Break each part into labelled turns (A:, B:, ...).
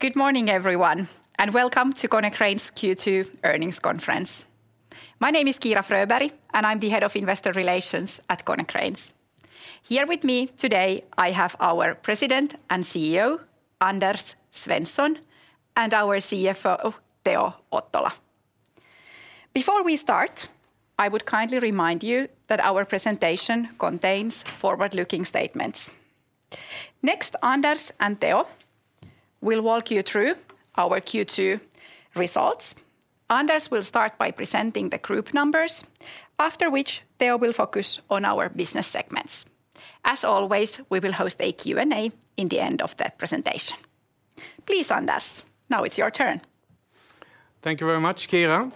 A: Good morning, everyone, and welcome to Konecranes Q2 Earnings Conference. My name is Kiira Fröberg, and I'm the Head of Investor Relations at Konecranes. Here with me today, I have our President and CEO, Anders Svensson, and our CFO, Teo Ottola. Before we start, I would kindly remind you that our presentation contains forward-looking statements. Next, Anders and Teo will walk you through our Q2 results. Anders will start by presenting the group numbers, after which Teo will focus on our business segments. As always, we will host a Q&A in the end of the presentation. Please, Anders, now it's your turn.
B: Thank you very much, Kiira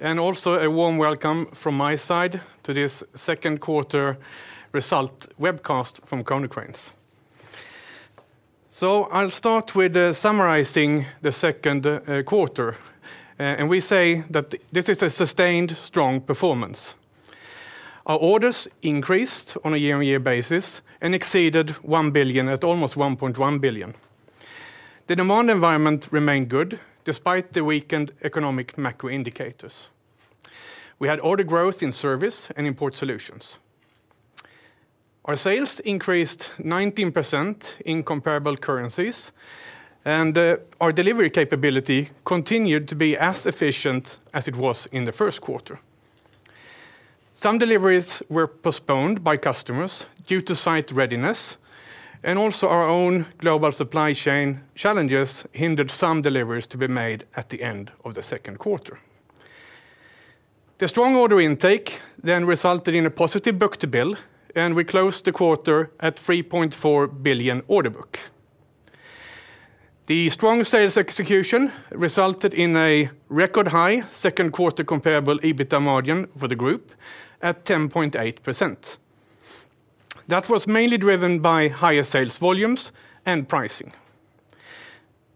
B: Fröberg. Also, a warm welcome from my side to this second-quarter result webcast from Konecranes. I'll start with summarizing the second quarter. We say that this is a sustained, strong performance. Our orders increased on a year-on-year basis and exceeded 1 billion at almost 1.1 billion. The demand environment remained good, despite the weakened economic macro indicators. We had order growth in Service and Port Solutions. Our sales increased 19% in comparable currencies. Our delivery capability continued to be as efficient as it was in the first quarter. Some deliveries were postponed by customers due to site readiness. Also, our own global supply chain challenges hindered some deliveries to be made at the end of the second quarter. The strong order intake then resulted in a positive book-to-bill, and we closed the quarter at 3.4 billion order book. The strong sales execution resulted in a record-high second quarter comparable EBITDA margin for the group at 10.8%. That was mainly driven by higher sales volumes and pricing.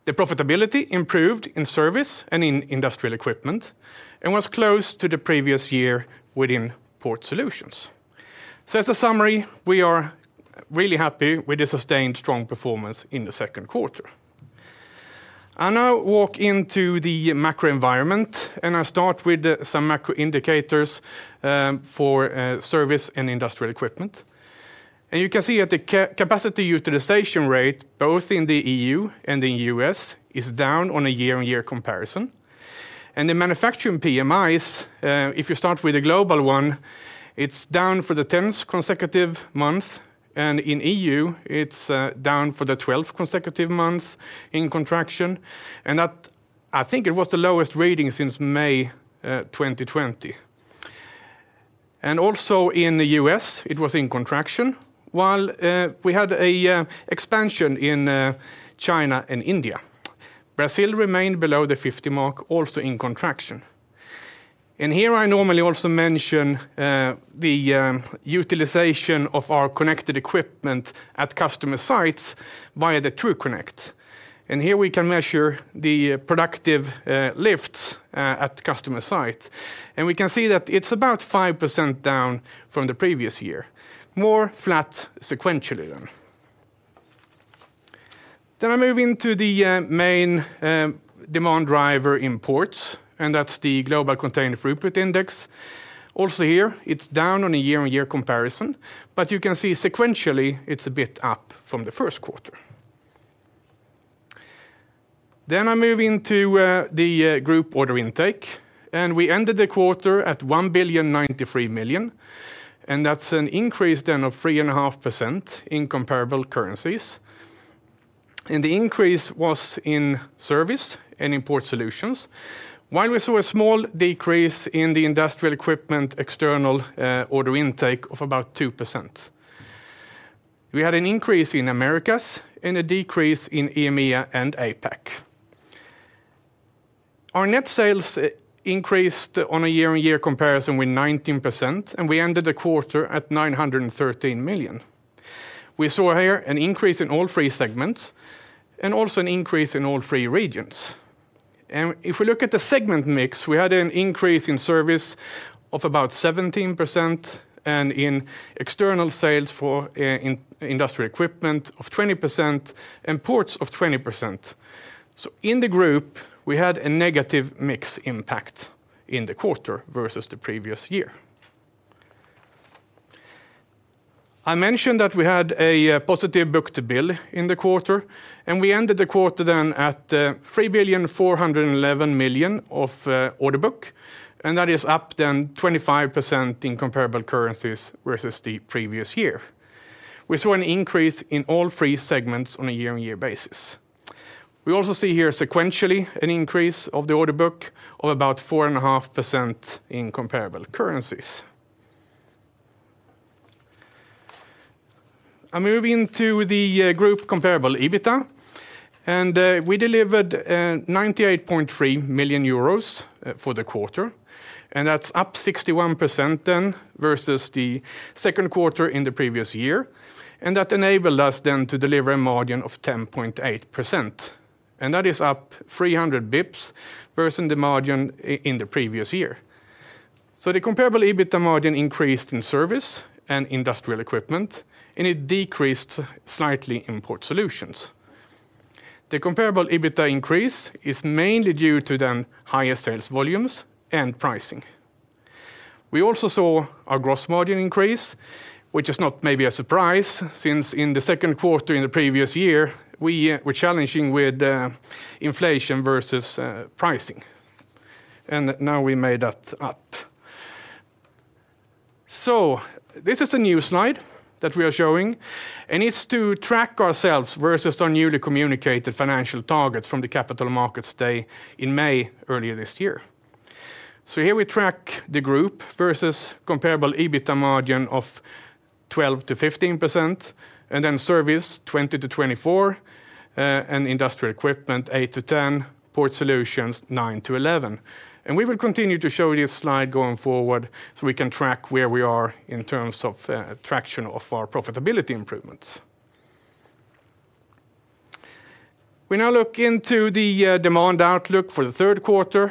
B: The profitability improved in Service and in Industrial Equipment, and was close to the previous year within Port Solutions. As a summary, we are really happy with the sustained strong performance in the second quarter. I now walk into the macro environment, and I start with some macro indicators for Service and Industrial Equipment. You can see that the capacity utilization rate, both in the EU and the U.S., is down on a year-on-year comparison. The manufacturing PMIs, if you start with the global one, it's down for the 10th consecutive month, and in EU, it's down for the 12th consecutive month in contraction. I think it was the lowest rating since May 2020. Also in the U.S., it was in contraction, while we had an expansion in China and India. Brazil remained below the 50 mark, also in contraction. Here I normally also mention the utilization of our connected equipment at customer sites via the TRUCONNECT. Here we can measure the productive lifts at customer site, and we can see that it's about 5% down from the previous year, more flat sequentially than. I move into the main demand driver in ports, and that's the Global Container Throughput Index. Here, it's down on a year-on-year comparison, but you can see sequentially, it's a bit up from the first quarter. I move into the group order intake, and we ended the quarter at 1,093 million, and that's an increase then of 3.5% in comparable currencies. The increase was in Service and Port Solutions, while we saw a small decrease in the Industrial Equipment, external order intake of about 2%. We had an increase in Americas and a decrease in EMEA and APAC. Our net sales increased on a year-on-year comparison with 19%, and we ended the quarter at 913 million. We saw here an increase in all three segments and also an increase in all three regions. If we look at the segment mix, we had an increase in Service of about 17% and in external sales for in Industrial Equipment of 20% and ports of 20%. In the group, we had a negative mix impact in the quarter versus the previous year. I mentioned that we had a positive book-to-bill in the quarter, and we ended the quarter then at 3.411 billion of order book, and that is up then 25% in comparable currencies versus the previous year. We saw an increase in all three segments on a year-on-year basis. We also see here, sequentially, an increase of the order book of about 4.5% in comparable currencies. I'm moving to the group comparable EBITDA, and we delivered 98.3 million euros for the quarter, and that's up 61% then versus the second quarter in the previous year, and that enabled us then to deliver a margin of 10.8%, and that is up 300 basis points versus the margin in the previous year. The comparable EBITA margin increased in Service and Industrial Equipment, and it decreased slightly in Port Solutions. The comparable EBITA increase is mainly due to then higher sales volumes and pricing. We also saw our gross margin increase, which is not maybe a surprise, since in the second quarter, in the previous year, we were challenging with inflation versus pricing, and now we made that up. This is a new slide that we are showing, and it's to track ourselves versus our newly communicated financial targets from the Capital Markets Day in May, earlier this year. Here we track the group versus comparable EBITA margin of 12%-15%, and then Service, 20%-24%, and Industrial Equipment, 8%-10%, Port Solutions, 9%-11%. We will continue to show you this slide going forward, so we can track where we are in terms of traction of our profitability improvements. We now look into the demand outlook for the third quarter,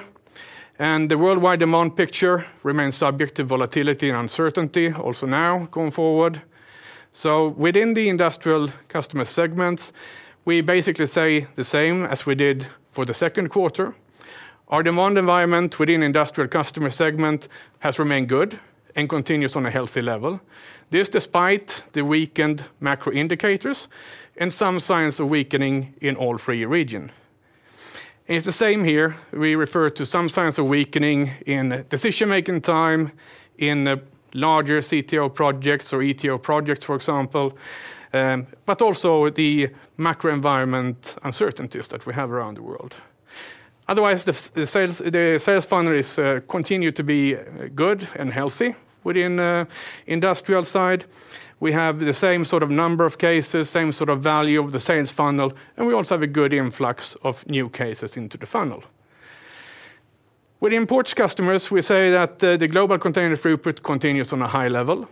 B: and the worldwide demand picture remains subjective volatility and uncertainty, also now going forward. Within the industrial customer segments, we basically say the same as we did for the second quarter. Our demand environment within industrial customer segment has remained good and continues on a healthy level. Despite the weakened macro indicators and some signs of weakening in all three region. It's the same here. We refer to some signs of weakening in decision-making time, in larger CTO projects or ETO projects, for example, but also with the macro environment uncertainties that we have around the world. Otherwise, the sales funnel continues to be good and healthy within industrial side. We have the same sort of number of cases, same sort of value of the sales funnel, and we also have a good influx of new cases into the funnel. With the import customers, we say that the global container throughput continues on a high level,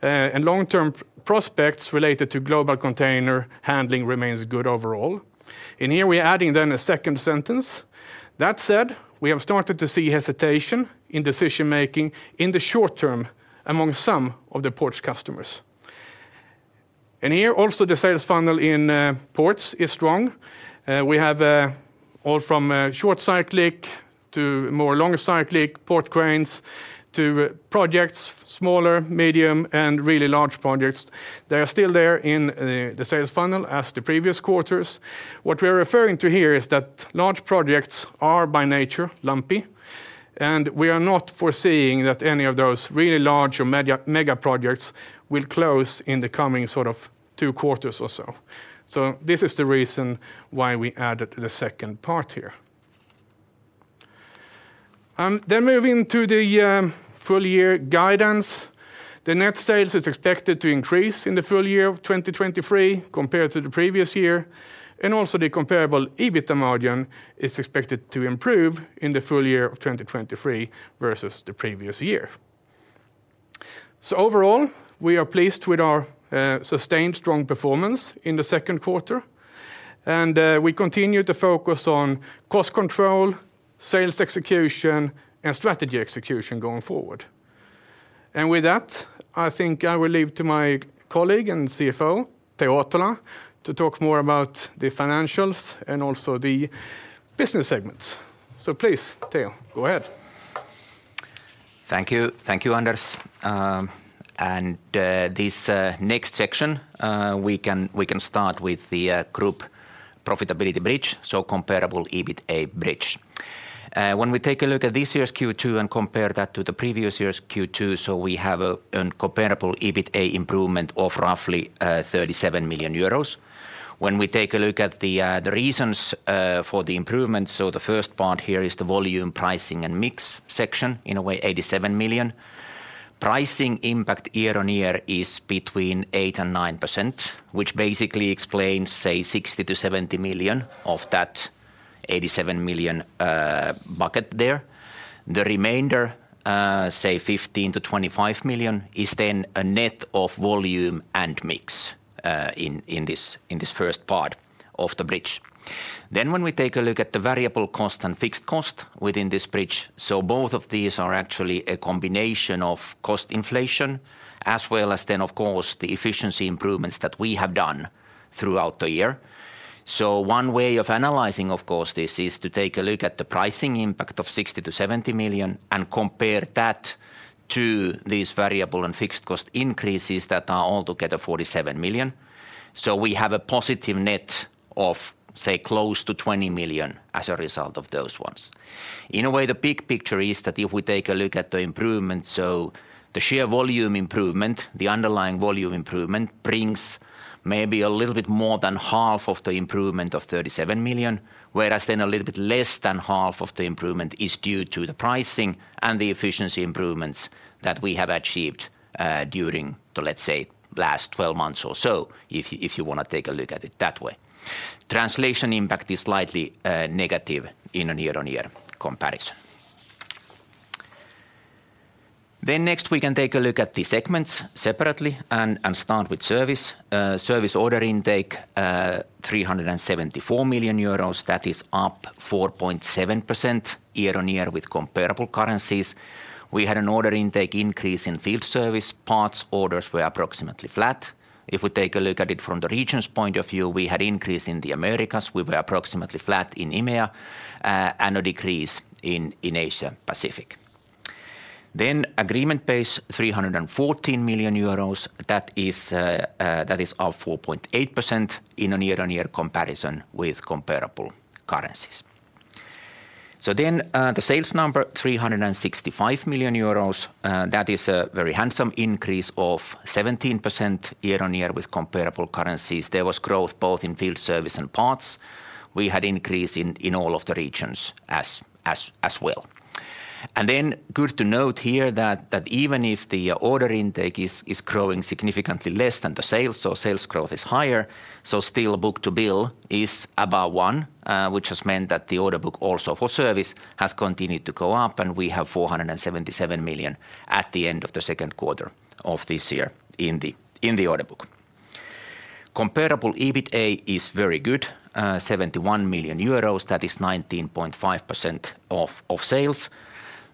B: and long-term prospects related to global container handling remains good overall. Here we are adding a second sentence. That said, we have started to see hesitation in decision-making in the short term among some of the port's customers. Here also, the sales funnel in ports is strong. We have all from short cyclic to more longer cyclic port cranes to projects, smaller, medium, and really large projects. They are still there in the sales funnel as the previous quarters. What we are referring to here is that large projects are by nature, lumpy, and we are not foreseeing that any of those really large or mega mega projects will close in the coming sort of two quarters or so. This is the reason why we added the second part here. Then moving to the full-year guidance. The net sales is expected to increase in the full year of 2023 compared to the previous year, and also the comparable EBITA margin is expected to improve in the full year of 2023 versus the previous year. Overall, we are pleased with our sustained strong performance in the second quarter, and we continue to focus on cost control, sales execution, and strategy execution going forward. With that, I think I will leave to my colleague and CFO, Teo Ottola, to talk more about the financials and also the business segments. Please, Teo, go ahead.
C: Thank you. Thank you, Anders. This next section, we can start with the group profitability bridge, so comparable EBITA bridge. When we take a look at this year's Q2 and compare that to the previous year's Q2, we have a comparable EBITA improvement of roughly 37 million euros. When we take a look at the reasons for the improvement, the first part here is the volume, pricing, and mix section, in a way, 87 million. Pricing impact year-on-year is between 8%-9%, which basically explains, say, 60 million-70 million of that 87 million bucket there. The remainder, say 15 million-25 million, is then a net of volume and mix in this first part of the bridge. When we take a look at the variable cost and fixed cost within this bridge, both of these are actually a combination of cost inflation, as well as then, of course, the efficiency improvements that we have done throughout the year. One way of analyzing, of course, this is to take a look at the pricing impact of 60 million-70 million and compare that to these variable and fixed cost increases that are altogether 47 million. We have a positive net of, say, close to 20 million as a result of those ones. In a way, the big picture is that if we take a look at the improvement, so the sheer volume improvement, the underlying volume improvement, brings maybe a little bit more than half of the improvement of 37 million, whereas a little bit less than half of the improvement is due to the pricing and the efficiency improvements that we have achieved during the, let's say, last 12 months or so, if you wanna take a look at it that way. Translation impact is slightly negative in a year-on-year comparison. Next, we can take a look at the segments separately and start with Service. Service order intake, 374 million euros. That is up 4.7% year-on-year with comparable currencies. We had an order intake increase in field service. Parts orders were approximately flat. If we take a look at it from the regions' point of view, we had increase in the Americas. We were approximately flat in EMEA, and a decrease in Asia Pacific. Agreement pace, EUR 314 million, that is up 4.8% in a year-on-year comparison with comparable currencies. The sales number, 365 million euros, that is a very handsome increase of 17% year-on-year with comparable currencies. There was growth both in field service and parts. We had increase in all of the regions as well. Good to note here that even if the order intake is growing significantly less than the sales, so sales growth is higher, still, book-to-bill is about one. Which has meant that the order book also for Service has continued to go up, and we have 477 million at the end of the second quarter of this year in the, in the order book. Comparable EBITA is very good, 71 million euros, that is 19.5% of sales.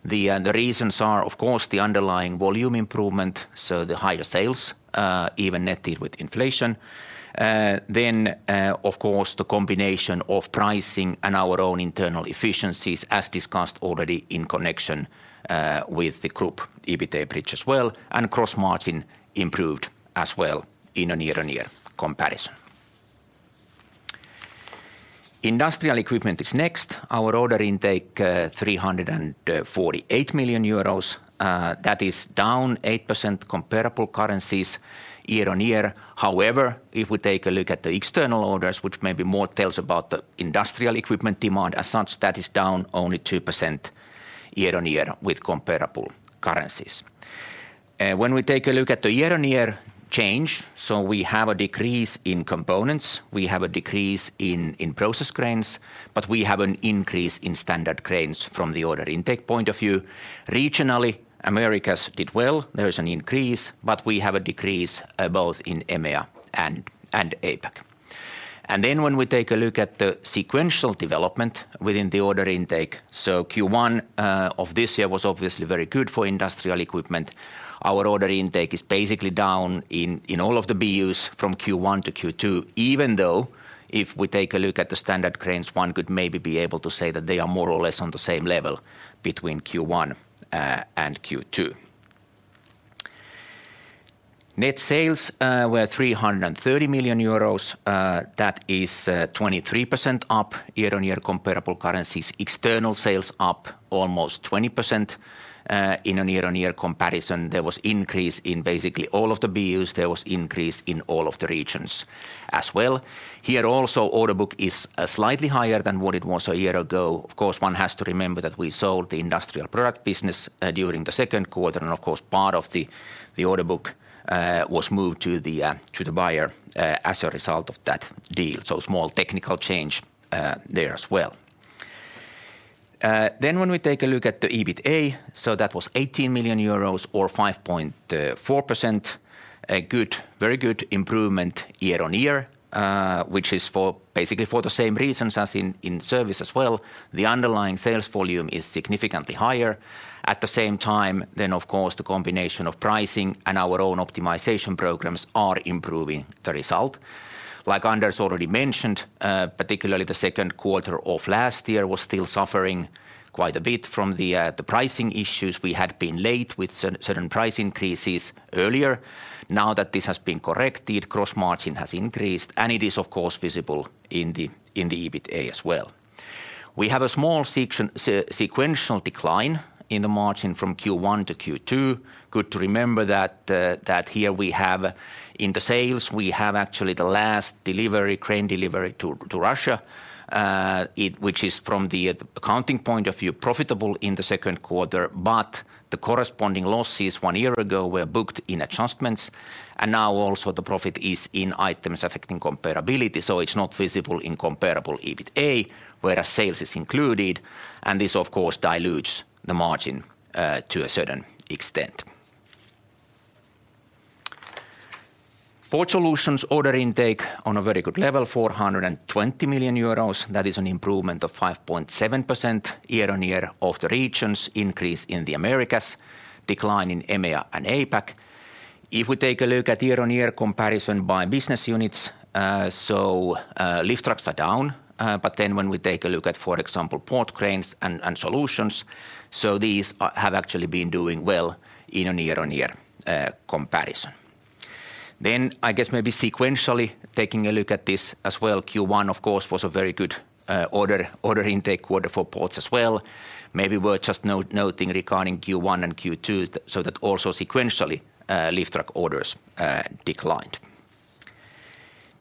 C: The reasons are, of course, the underlying volume improvement, so the higher sales, even netted with inflation. Of course, the combination of pricing and our own internal efficiencies, as discussed already in connection with the group EBITA bridge as well, and cross-margin improved as well in a year-on-year comparison. Industrial Equipment is next. Our order intake, 348 million euros, that is down 8% comparable currencies year-on-year. If we take a look at the external orders, which may be more tells about the Industrial Equipment demand, as such, that is down only 2% year-on-year with comparable currencies. When we take a look at the year-on-year change, we have a decrease in components, we have a decrease in process cranes, but we have an increase in standard cranes from the order intake point of view. Regionally, Americas did well. There is an increase, but we have a decrease both in EMEA and APAC. When we take a look at the sequential development within the order intake, Q1 of this year was obviously very good for Industrial Equipment. Our order intake is basically down in all of the BUs from Q1 to Q2, even though if we take a look at the standard cranes, one could maybe be able to say that they are more or less on the same level between Q1 and Q2. Net sales were 330 million euros, that is 23% up year-on-year comparable currencies. External sales up almost 20% in a year-on-year comparison. There was increase in basically all of the BUs. There was increase in all of the regions as well. Here also, order book is slightly higher than what it was a year ago. Of course, one has to remember that we sold the industrial product business during the second quarter, and of course, part of the order book was moved to the buyer as a result of that deal. Small technical change there as well. When we take a look at the EBITA, that was 18 million euros or 5.4%. A good, very good improvement year-on-year, which is for, basically for the same reasons as in Service as well. The underlying sales volume is significantly higher. At the same time, of course, the combination of pricing and our own optimization programs are improving the result. Like Anders already mentioned, particularly the second quarter of last year was still suffering quite a bit from the pricing issues. We had been late with certain price increases earlier. Now that this has been corrected, gross margin has increased, and it is, of course, visible in the EBITA as well. We have a small sequential decline in the margin from Q1 to Q2. Good to remember that in the sales, we have actually the last delivery, crane delivery to Russia, which is from the accounting point of view, profitable in the second quarter. The corresponding losses one year ago were booked in adjustments, and now also the profit is in items affecting comparability, so it's not visible in comparable EBITA, whereas sales is included, and this of course, dilutes the margin to a certain extent. Port Solutions order intake on a very good level, 420 million euros. That is an improvement of 5.7% year-on-year of the regions' increase in the Americas, decline in EMEA, and APAC. If we take a look at year-on-year comparison by business units, lift trucks are down when we take a look at, for example, port cranes and solutions, these have actually been doing well in a year-on-year comparison. I guess, maybe sequentially, taking a look at this as well, Q1, of course, was a very good order intake quarter for ports as well. Maybe worth just noting regarding Q1 and Q2, so that, also sequentially, lift truck orders declined.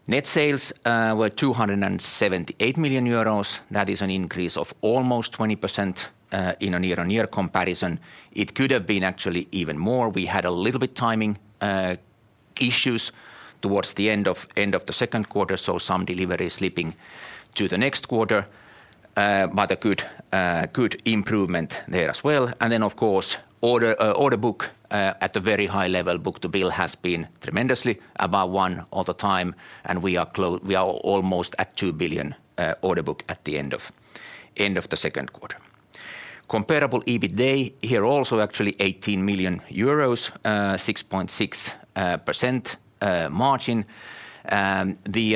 C: Net sales were 278 million euros. That is an increase of almost 20% in a year-on-year comparison. It could have been actually even more. We had a little bit timing issues towards the end of the second quarter, so some deliveries slipping to the next quarter. But a good improvement there as well. Of course, order book at a very high level, book-to-bill has been tremendously about one all the time, and we are almost at 2 billion order book at the end of the second quarter. Comparable EBITDA, here also actually EUR 18 million, 6.6% margin. The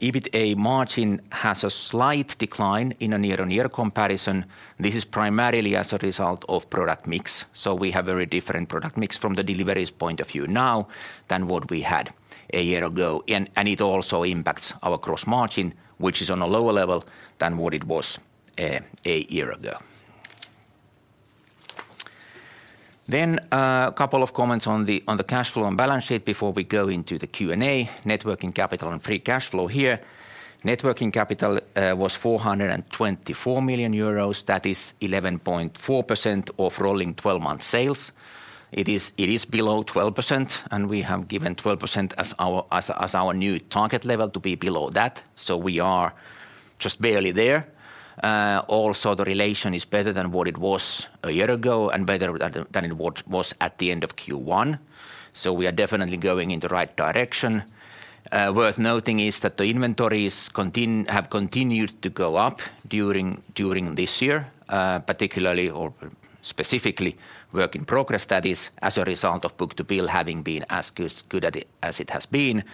C: EBITDA margin has a slight decline in a year-on-year comparison. This is primarily as a result of product mix, so we have a very different product mix from the deliveries point of view now than what we had a year ago. It also impacts our gross margin, which is on a lower level than what it was a year ago. A couple of comments on the cash flow and balance sheet before we go into the Q&A. Networking capital and free cash flow here. Networking capital was 424 million euros. That is 11.4% of rolling twelve-month sales. It is below 12%, and we have given 12% as our new target level to be below that, so we are just barely there. Also, the relation is better than what it was a year ago and better than it what was at the end of Q1, so we are definitely going in the right direction. Worth noting is that the inventories have continued to go up during this year, particularly or specifically work in progress. That is as a result of book-to-bill having been as good at it as it has been.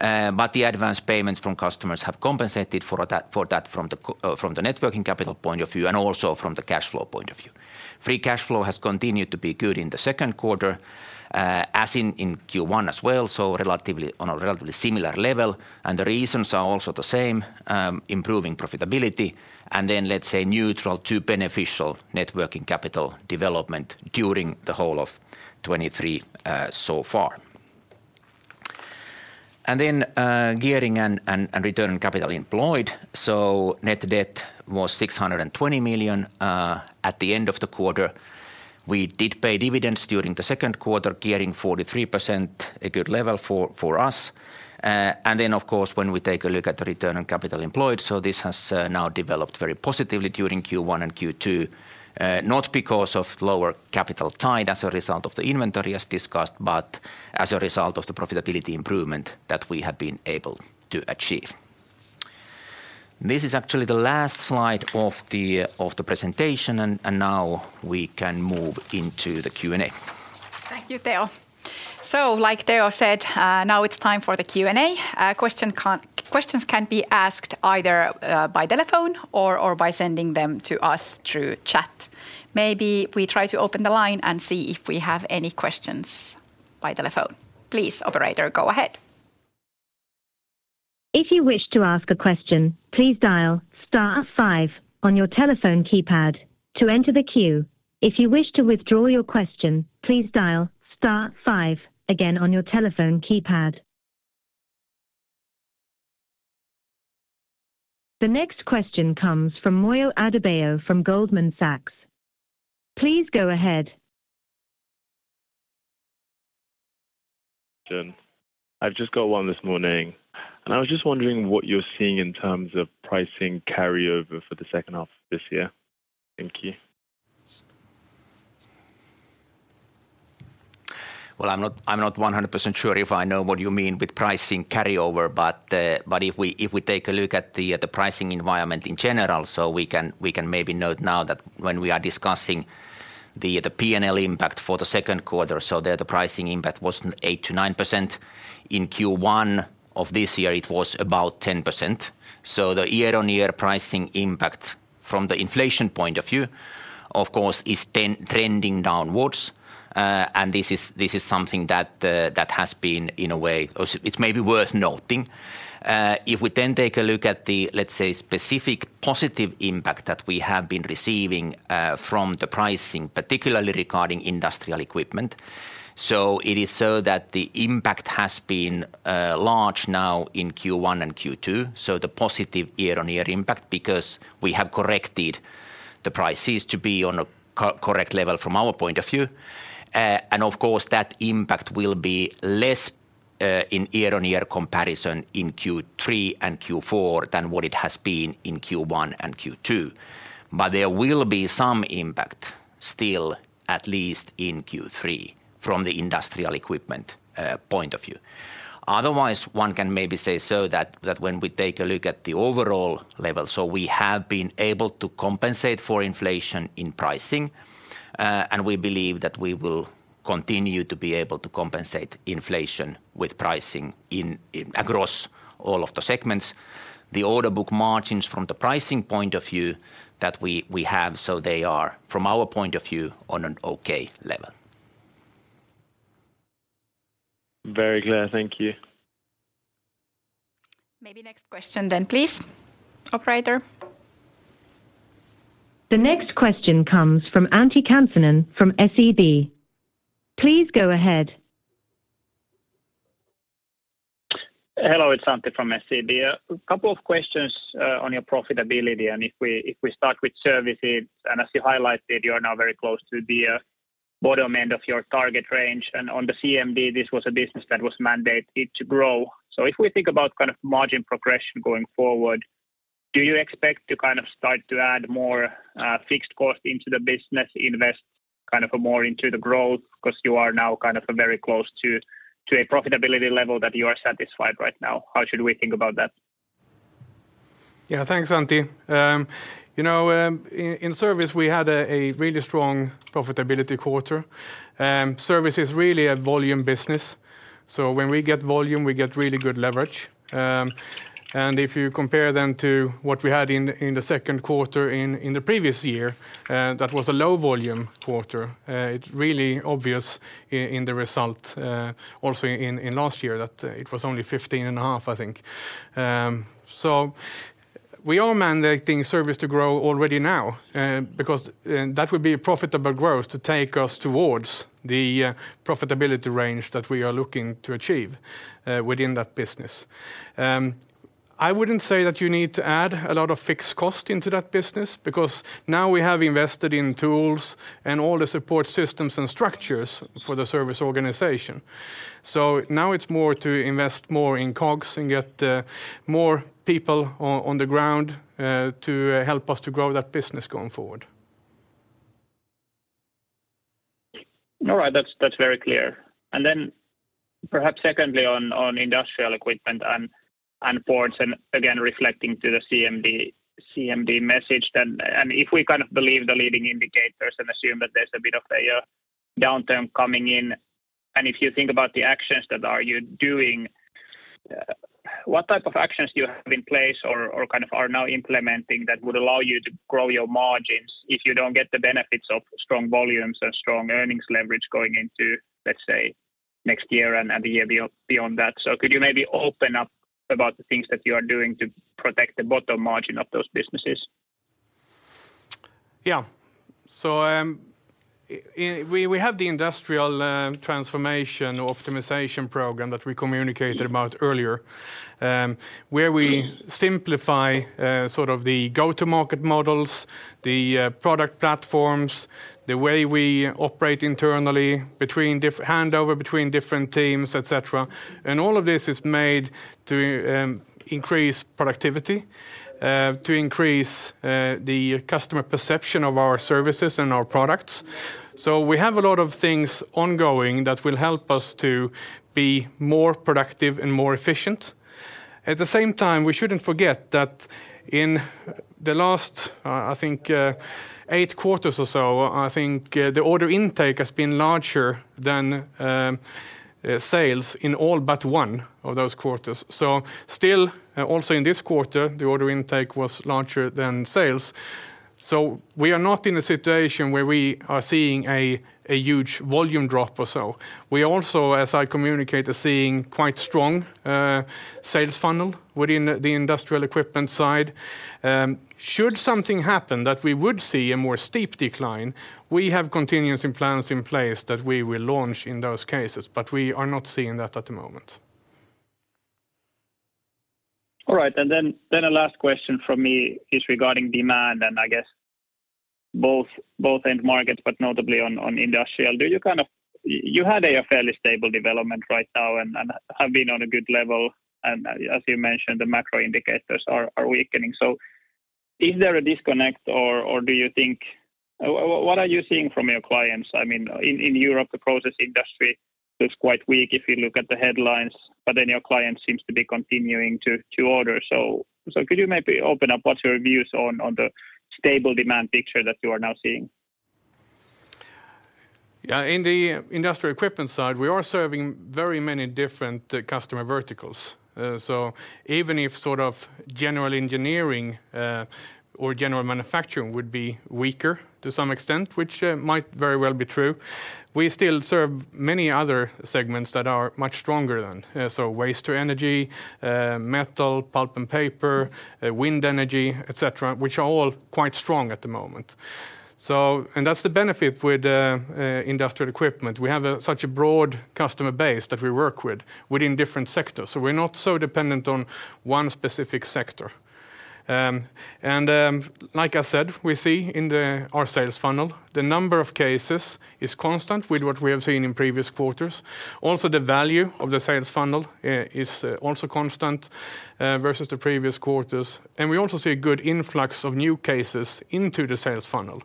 C: The advanced payments from customers have compensated for that from the networking capital point of view, and also from the cash flow point of view. Free cash flow has continued to be good in the second quarter, as in Q1 as well, so on a relatively similar level, the reasons are also the same: improving profitability, let's say, neutral to beneficial networking capital development during the whole of 2023 so far. Gearing and return on capital employed, net debt was 620 million at the end of the quarter. We did pay dividends during the second quarter, gearing 43%, a good level for us. Of course, when we take a look at the return on capital employed, this has now developed very positively during Q1 and Q2, not because of lower capital tied as a result of the inventory as discussed, but as a result of the profitability improvement that we have been able to achieve. This is actually the last slide of the presentation, and now we can move into the Q&A.
A: Thank you, Teo. Like Teo said, now it's time for the Q&A. Questions can be asked either by telephone or by sending them to us through chat. Maybe we try to open the line and see if we have any questions by telephone. Please, operator, go ahead.
D: If you wish to ask a question, please dial star five on your telephone keypad to enter the queue. If you wish to withdraw your question, please dial star five again on your telephone keypad. The next question comes from Moyo Adebayo from Goldman Sachs. Please go ahead.
E: I've just got one this morning, and I was just wondering what you're seeing in terms of pricing carryover for the second half of this year. Thank you.
C: I'm not 100% sure if I know what you mean with pricing carryover, but if we take a look at the pricing environment in general, so we can maybe note now that when we are discussing the PNL impact for the second quarter, so there the pricing impact was 8%-9%. In Q1 of this year, it was about 10%. The year-on-year pricing impact from the inflation point of view, of course, is trending downwards. This is something that has been in a way... it's maybe worth noting. If we take a look at the, let's say, specific positive impact that we have been receiving from the pricing, particularly regarding Industrial Equipment. It is so that the impact has been large now in Q1 and Q2. The positive year-on-year impact, because we have corrected the prices to be on a correct level from our point of view. Of course, that impact will be less in year-on-year comparison in Q3 and Q4 than what it has been in Q1 and Q2. There will be some impact still, at least in Q3, from the Industrial Equipment point of view. One can maybe say so that when we take a look at the overall level, we have been able to compensate for inflation in pricing, and we believe that we will continue to be able to compensate inflation with pricing in across all of the segments. Order book margins from the pricing point of view that we have, they are, from our point of view, on an okay level.
E: Very clear. Thank you.
A: Maybe next question, please, operator.
D: The next question comes from Antti Kansanen from SEB. Please go ahead.
F: Hello, it's Antti from SEB. A couple of questions on your profitability. If we start with Services, as you highlighted, you are now very close to the bottom end of your target range. On the CMD, this was a business that was mandated to grow. If we think about kind of margin progression going forward, do you expect to kind of start to add more fixed costs into the business, invest kind of a more into the growth? You are now kind of very close to a profitability level that you are satisfied right now. How should we think about that?
B: Thanks, Antti. You know, in Service, we had a really strong profitability quarter. Service is really a volume business, so when we get volume, we get really good leverage. If you compare them to what we had in the second quarter in the previous year, that was a low volume quarter. It's really obvious in the result, also in last year that it was only 15.5%, I think. We are mandating Service to grow already now, because that would be a profitable growth to take us towards the profitability range that we are looking to achieve within that business. I wouldn't say that you need to add a lot of fixed cost into that business because now we have invested in tools and all the support systems and structures for the Service organization. Now it's more to invest more in Kocks and get more people on the ground to help us to grow that business going forward.
F: All right. That's very clear. Perhaps secondly, on Industrial Equipment and ports, and again, reflecting to the CMD message, then, if we kind of believe the leading indicators and assume that there's a bit of a downturn coming in, if you think about the actions that are you doing, what type of actions do you have in place or kind of are now implementing that would allow you to grow your margins if you don't get the benefits of strong volumes and strong earnings leverage going into, let's say, next year and the year beyond that? Could you maybe open up about the things that you are doing to protect the bottom margin of those businesses?
B: Yeah. We have the Industrial Transformation Optimization Program that we communicated about earlier, where we simplify sort of the go-to-market models, the product platforms, the way we operate internally between handover between different teams, et cetera. All of this is made to increase productivity, to increase the customer perception of our services and our products. We have a lot of things ongoing that will help us to be more productive and more efficient. At the same time, we shouldn't forget that in the last, I think, eight quarters or so, I think, the order intake has been larger than sales in all but one of those quarters. Still, also in this quarter, the order intake was larger than sales. We are not in a situation where we are seeing a huge volume drop or so. We also, as I communicated, seeing quite strong sales funnel within the Industrial Equipment side. Should something happen that we would see a more steep decline, we have contingency plans in place that we will launch in those cases, but we are not seeing that at the moment.
F: All right. Then, then a last question from me is regarding demand, and I guess both end markets, but notably on industrial. Do you kind of you had a fairly stable development right now and have been on a good level, and, as you mentioned, the macro indicators are weakening. Is there a disconnect or do you think? What are you seeing from your clients? I mean, in Europe, the process industry is quite weak if you look at the headlines, but then your clients seem to be continuing to order. Could you maybe open up, what's your views on the stable demand picture that you are now seeing?
B: In the Industrial Equipment side, we are serving very many different customer verticals. Even if sort of general engineering or general manufacturing would be weaker to some extent, which might very well be true, we still serve many other segments that are much stronger than. Waste to energy, metal, pulp and paper, wind energy, et cetera, which are all quite strong at the moment. That's the benefit with Industrial Equipment. We have a such a broad customer base that we work with within different sectors, so we're not so dependent on one specific sector. Like I said, we see in the, our sales funnel, the number of cases is constant with what we have seen in previous quarters. Also, the value of the sales funnel is also constant versus the previous quarters, and we also see a good influx of new cases into the sales funnel.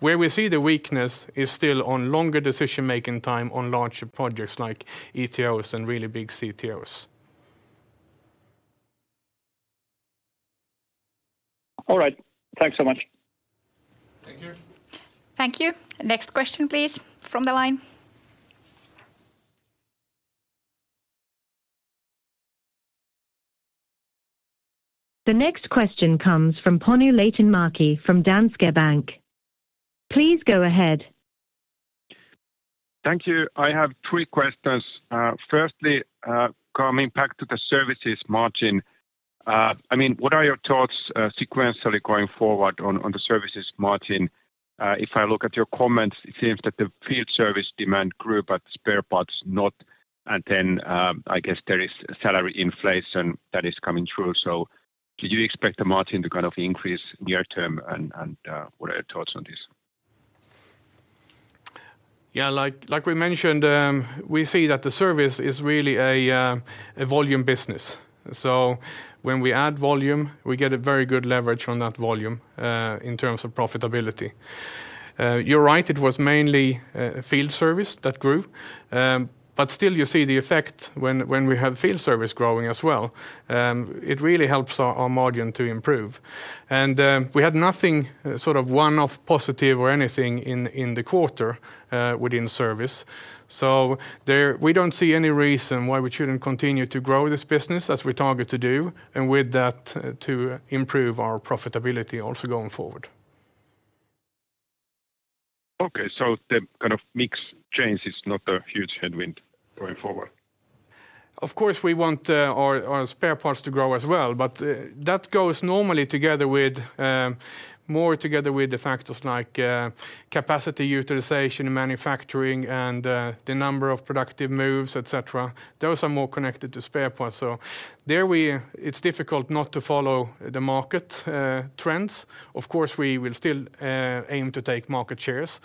B: Where we see the weakness is still on longer decision-making time on larger projects like ETOs and really big CTOs.
F: All right. Thanks so much.
A: Thank you. Next question, please, from the line.
D: The next question comes from Panu Laitinmäki, from Danske Bank. Please go ahead.
G: Thank you. I have three questions. firstly, coming back to the Services margin. I mean, what are your thoughts, sequentially going forward on the Services margin? If I look at your comments, it seems that the field service demand grew, but spare parts not. I guess there is salary inflation that is coming through. Do you expect the margin to kind of increase near term? What are your thoughts on this?
B: Yeah, like we mentioned, we see that the Service is really a volume business. When we add volume, we get a very good leverage on that volume in terms of profitability. You're right, it was mainly field service that grew. Still you see the effect when we have field service growing as well, it really helps our margin to improve. We had nothing, sort of, one-off positive or anything in the quarter within Service. There... We don't see any reason why we shouldn't continue to grow this business as we target to do, and with that, to improve our profitability also going forward.
G: Okay. The kind of mix change is not a huge headwind going forward?
B: Of course, we want our spare parts to grow as well. That goes normally together with more together with the factors like capacity, utilization, manufacturing, and the number of productive moves, et cetera. Those are more connected to spare parts. There we. It's difficult not to follow the market trends. Of course, we will still aim to take market shares.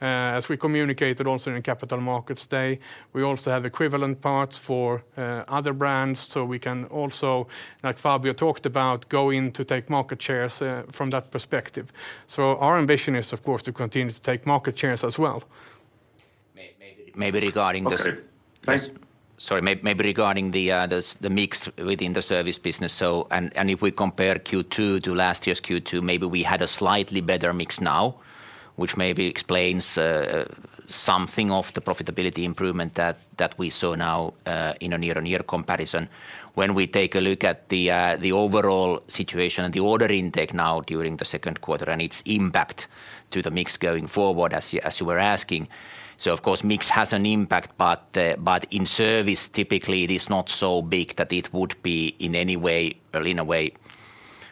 B: As we communicated also in Capital Markets Day, we also have equivalent parts for other brands, so we can also, like Fröberg talked about, go in to take market shares from that perspective. Our ambition is, of course, to continue to take market shares as well.
C: May, maybe regarding the-
G: Okay, thanks.
C: Sorry, maybe regarding the mix within the Service business. If we compare Q2 to last year's Q2, maybe we had a slightly better mix now, which maybe explains something of the profitability improvement that we saw now in a year-on-year comparison. When we take a look at the overall situation and the order intake now during the second quarter and its impact to the mix going forward, as you were asking. Of course, mix has an impact, but in Service, typically it is not so big that it would be in any way or in a way,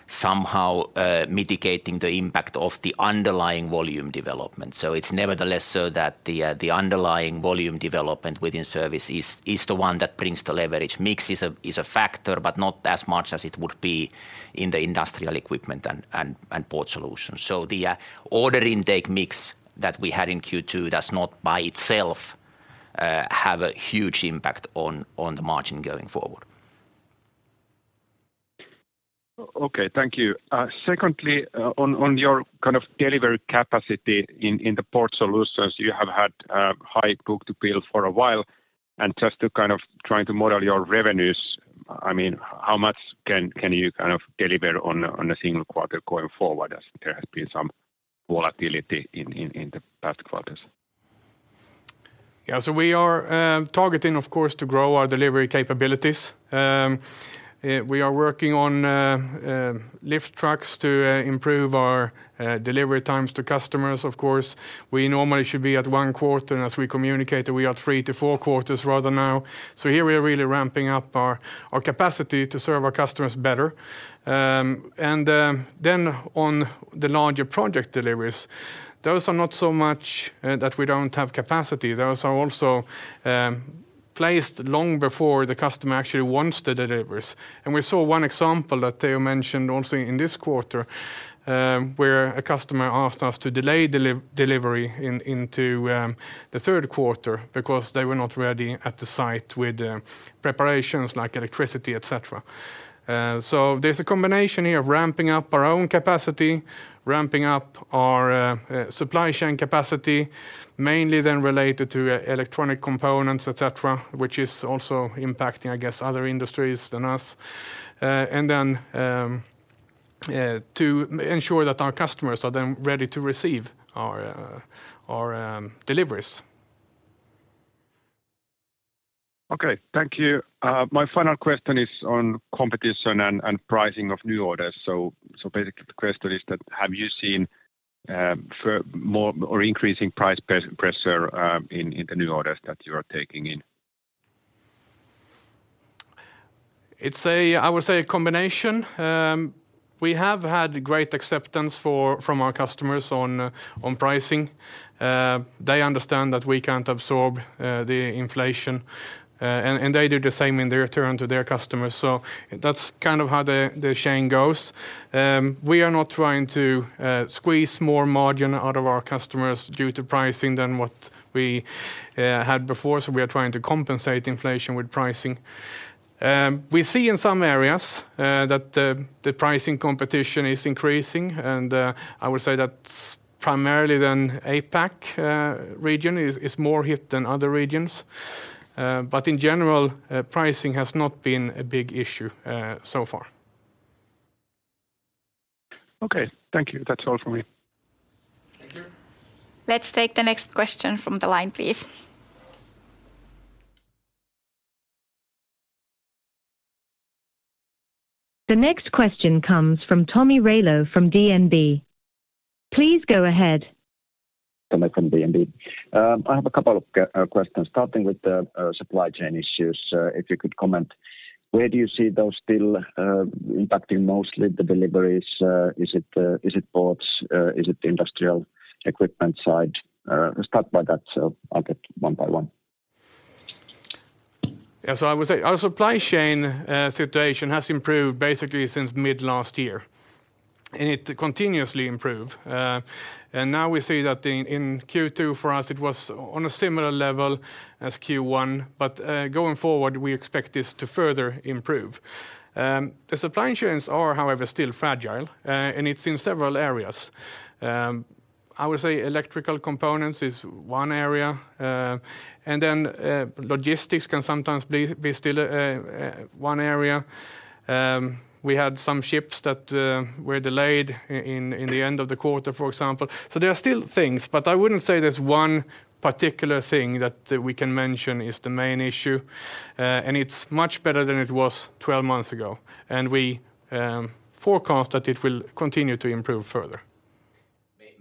C: somehow, mitigating the impact of the underlying volume development. It's nevertheless, so that the underlying volume development within Service is the one that brings the leverage. Mix is a factor, but not as much as it would be in the Industrial Equipment and Port Solutions. The order intake mix that we had in Q2 does not, by itself, have a huge impact on the margin going forward.
G: Okay, thank you. Secondly, on your kind of delivery capacity in the Port Solutions, you have had a high book-to-bill for a while, and just to kind of trying to model your revenues, I mean, how much can you kind of deliver on a single quarter going forward, as there has been some volatility in the past quarters?
B: We are targeting, of course, to grow our delivery capabilities. We are working on lift trucks to improve our delivery times to customers, of course. We normally should be at one quarter, and as we communicated, we are three to four quarters rather now. Here we are really ramping up our capacity to serve our customers better. On the larger project deliveries, those are not so much that we don't have capacity. Those are also placed long before the customer actually wants the deliveries. We saw one example that Teo mentioned also in this quarter, where a customer asked us to delay delivery into the third quarter because they were not ready at the site with preparations like electricity, et cetera. There's a combination here of ramping up our own capacity, ramping up our supply chain capacity, mainly then related to electronic components, et cetera, which is also impacting, I guess, other industries than us. To ensure that our customers are then ready to receive our deliveries.
G: Okay, thank you. My final question is on competition and pricing of new orders. Basically, the question is that, have you seen for more or increasing price pressure in the new orders that you are taking in?
B: It's a, I would say, a combination. We have had great acceptance from our customers on pricing. They understand that we can't absorb the inflation, and they do the same in their turn to their customers. That's kind of how the chain goes. We are not trying to squeeze more margin out of our customers due to pricing than what we had before, so we are trying to compensate inflation with pricing. We see in some areas that the pricing competition is increasing, and I would say that's primarily the APAC region is more hit than other regions. But in general, pricing has not been a big issue so far.
G: Okay, thank you. That's all for me.
B: Thank you.
A: Let's take the next question from the line, please.
D: The next question comes from Tomi Railo from DNB. Please go ahead.
H: Tomi from DNB. I have a couple of questions, starting with the supply chain issues. If you could comment, where do you see those still impacting mostly the deliveries? Is it, is it ports? Is it the Industrial Equipment side? Start by that, so I'll get one by one.
B: Yeah, I would say our supply chain situation has improved basically since mid-last year, and it continuously improve. Now we see that in Q2 for us, it was on a similar level as Q1, but going forward, we expect this to further improve. The supply chains are, however, still fragile, and it's in several areas. I would say electrical components is one area. Logistics can sometimes be still one area. We had some ships that were delayed in the end of the quarter, for example. There are still things, but I wouldn't say there's one particular thing that we can mention is the main issue. It's much better than it was 12 months ago, and we forecast that it will continue to improve further.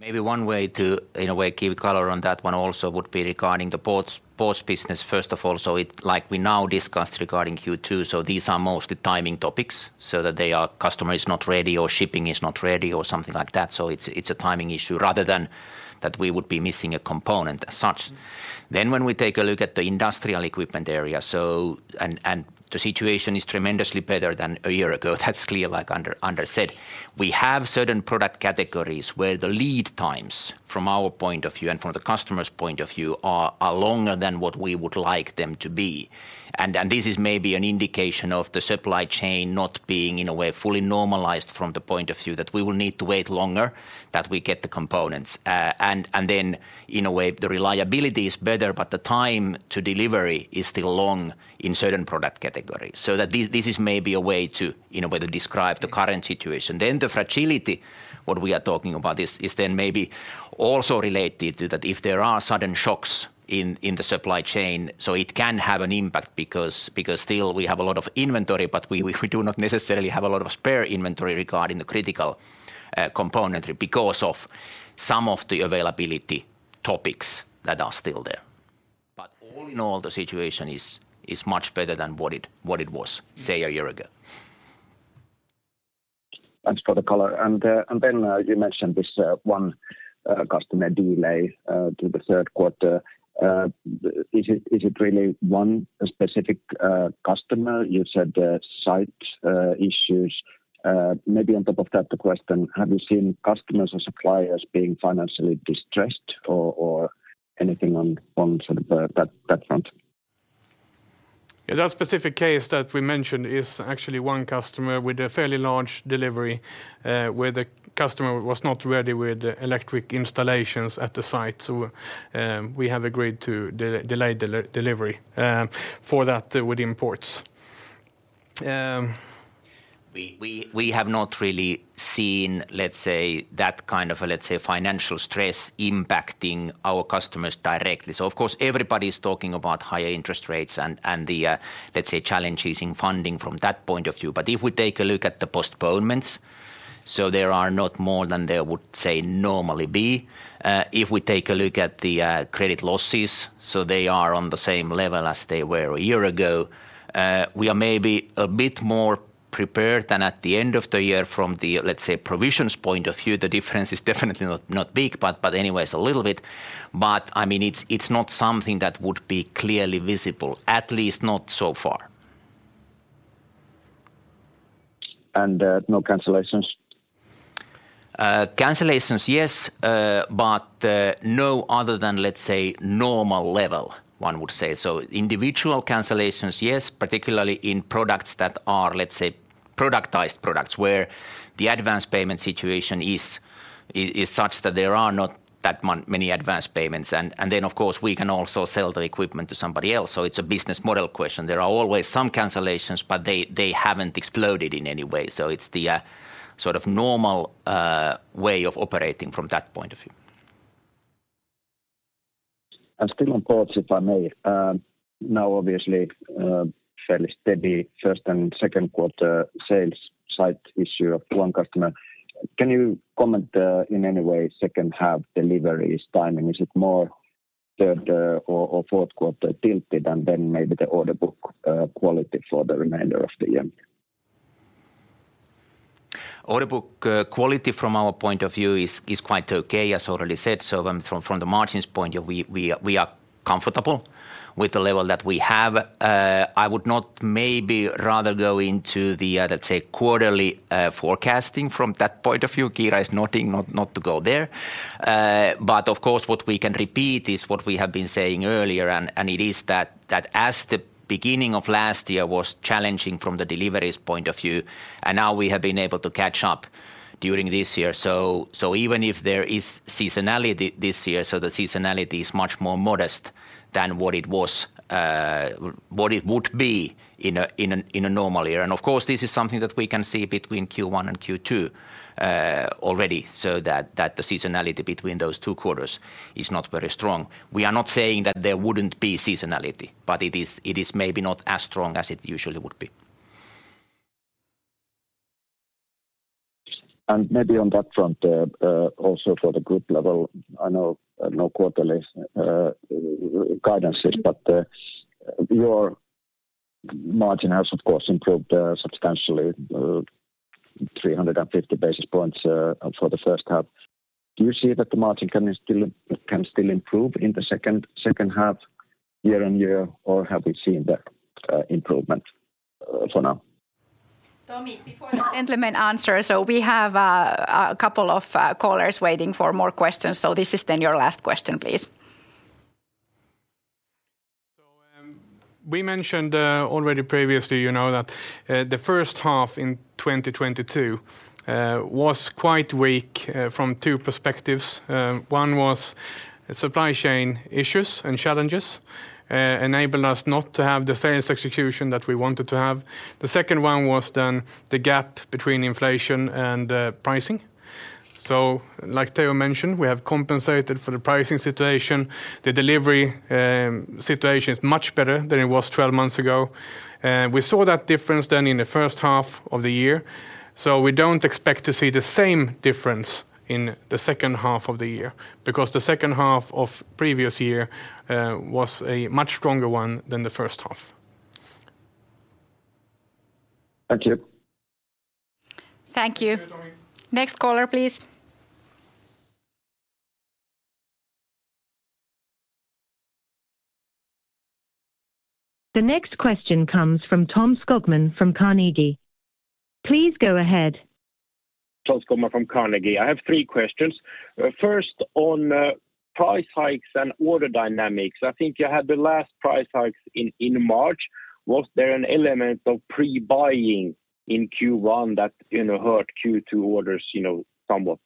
C: Maybe one way to, in a way, give color on that one also would be regarding the Ports business, first of all. It, like we now discussed regarding Q2, these are mostly timing topics, so that they are customer is not ready, or shipping is not ready, or something like that. When we take a look at the Industrial Equipment area, and the situation is tremendously better than a year ago. That's clear, like Anders said. We have certain product categories where the lead times, from our point of view and from the customer's point of view, are longer than what we would like them to be. This is maybe an indication of the supply chain not being, in a way, fully normalized from the point of view that we will need to wait longer that we get the components. Then, in a way, the reliability is better, but the time to delivery is still long in certain product categories. This is maybe a way to, in a way, to describe the current situation. The fragility, what we are talking about is then maybe also related to that if there are sudden shocks in the supply chain, it can have an impact because still we have a lot of inventory, but we do not necessarily have a lot of spare inventory regarding the critical componentry because of some of the availability topics that are still there. All in all, the situation is much better than what it was, say, a year ago.
H: Thanks for the color. You mentioned this one customer delay to the third quarter. Is it really one specific customer? You said site issues. Maybe on top of that, the question, have you seen customers or suppliers being financially distressed or anything on sort of that front?
B: Yeah, that specific case that we mentioned is actually one customer with a fairly large delivery, where the customer was not ready with the electric installations at the site. We have agreed to delay delivery for that with the imports.
C: We have not really seen, let's say, that kind of, let's say, financial stress impacting our customers directly. Of course, everybody's talking about higher interest rates and the, let's say, challenges in funding from that point of view. If we take a look at the postponements, there are not more than there would, say, normally be. If we take a look at the credit losses, they are on the same level as they were a year ago. We are maybe a bit more prepared than at the end of the year from the, let's say, provisions point of view. The difference is definitely not big, but anyway, a little bit. I mean, it's not something that would be clearly visible, at least not so far.
H: No cancellations?
C: Cancellations, yes, but no other than, let's say, normal level, one would say. Individual cancellations, yes, particularly in products that are, let's say, productized products, where the advanced payment situation is such that there are not that many advanced payments. Then, of course, we can also sell the equipment to somebody else, so it's a business model question. There are always some cancellations, but they haven't exploded in any way. It's the sort of normal way of operating from that point of view.
H: Still on ports, if I may. Now, obviously, fairly steady first and second quarter sales site issue of one customer. Can you comment in any way second half deliveries timing? Is it more third or fourth quarter tilted, and then maybe the order book quality for the remainder of the year?
C: Order book quality from our point of view is quite okay, as already said. From the margins point of view, we are comfortable with the level that we have. I would not maybe, rather go into the, let's say, quarterly forecasting from that point of view. Kiira is nodding not to go there. Of course, what we can repeat is what we have been saying earlier, and it is that as the beginning of last year was challenging from the deliveries point of view, and now we have been able to catch up during this year. Even if there is seasonality this year, the seasonality is much more modest than what it was, what it would be in a normal year. Of course, this is something that we can see between Q1 and Q2, already, so that the seasonality between those two quarters is not very strong. We are not saying that there wouldn't be seasonality, but it is maybe not as strong as it usually would be.
H: Maybe on that front, also for the group level, I know quarterly guidances, but your margin has, of course, improved substantially, 350 basis points for the first half. Do you see that the margin can still improve in the second half year-over-year or have we seen the improvement for now?
A: Tomi, before the gentleman answers, we have a couple of callers waiting for more questions, so this is then your last question, please.
B: We mentioned already previously, you know, that the first half in 2022 was quite weak from two perspectives. One was supply chain issues and challenges enabled us not to have the sales execution that we wanted to have. The second one was the gap between inflation and pricing. Like Teo mentioned, we have compensated for the pricing situation. The delivery situation is much better than it was 12 months ago. We saw that difference in the first half of the year, so we don't expect to see the same difference in the second half of the year, because the second half of previous year was a much stronger one than the first half.
H: Thank you.
A: Thank you.
B: Thank you, Tomi.
A: Next caller, please.
D: The next question comes from Tom Skogman from Carnegie. Please go ahead.
I: Tom Skogman from Carnegie. I have three questions. First, on price hikes and order dynamics. I think you had the last price hikes in March. Was there an element of pre-buying in Q1 that, you know, hurt Q2 orders, you know, somewhat?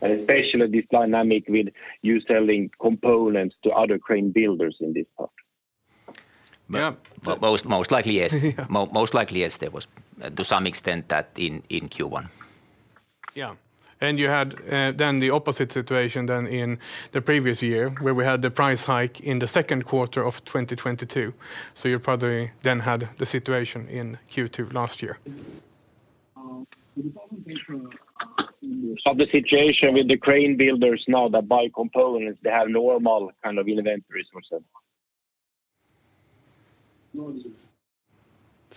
I: Especially this dynamic with you selling components to other crane builders in this part.
B: Yeah.
C: Most likely, yes. Most likely, yes, there was to some extent that in Q1.
B: Yeah. You had, then the opposite situation than in the previous year, where we had the price hike in the second quarter of 2022. You probably then had the situation in Q2 last year.
I: Of the situation with the crane builders now, that by components, they have normal kind of inventories or so?
B: Sorry,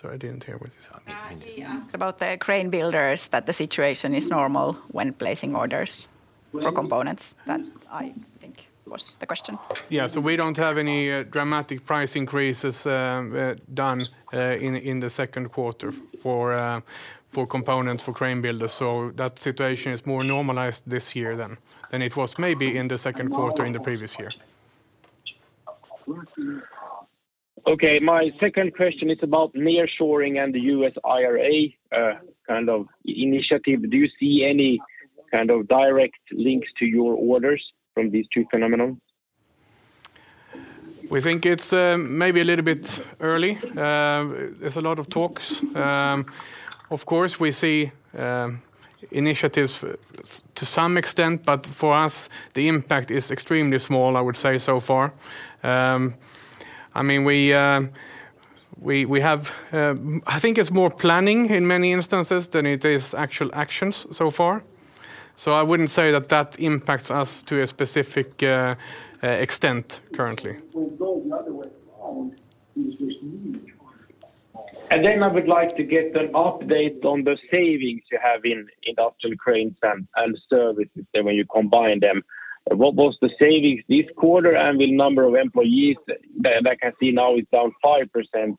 B: I didn't hear what you said.
A: He asked about the crane builders, that the situation is normal when placing orders for components. That I think was the question.
B: We don't have any dramatic price increases done in the second quarter for components for crane builders. That situation is more normalized this year than it was maybe in the second quarter in the previous year.
I: Okay, my second question is about nearshoring and the U.S. IRA, kind of initiative. Do you see any kind of direct links to your orders from these two phenomenons?
B: We think it's maybe a little bit early. There's a lot of talks. Of course, we see initiatives to some extent, but for us, the impact is extremely small, I would say so far. I mean, we have I think it's more planning in many instances than it is actual actions so far. I wouldn't say that that impacts us to a specific extent currently.
I: I would like to get an update on the savings you have in Industrial Cranes and Services, when you combine them. What was the savings this quarter, and the number of employees that I can see now is down 5%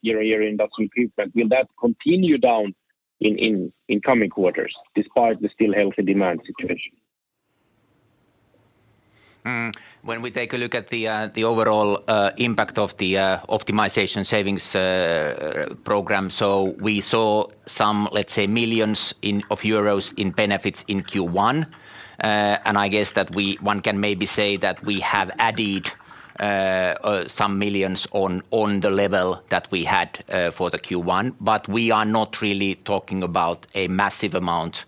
I: year-over-year in Industrial Cranes? Will that continue down in coming quarters, despite the still healthy demand situation?
C: When we take a look at the overall impact of the optimization savings program, we saw some, let's say, millions of euros in benefits in Q1. I guess that one can maybe say that we have added some millions on the level that we had for the Q1, but we are not really talking about a massive amount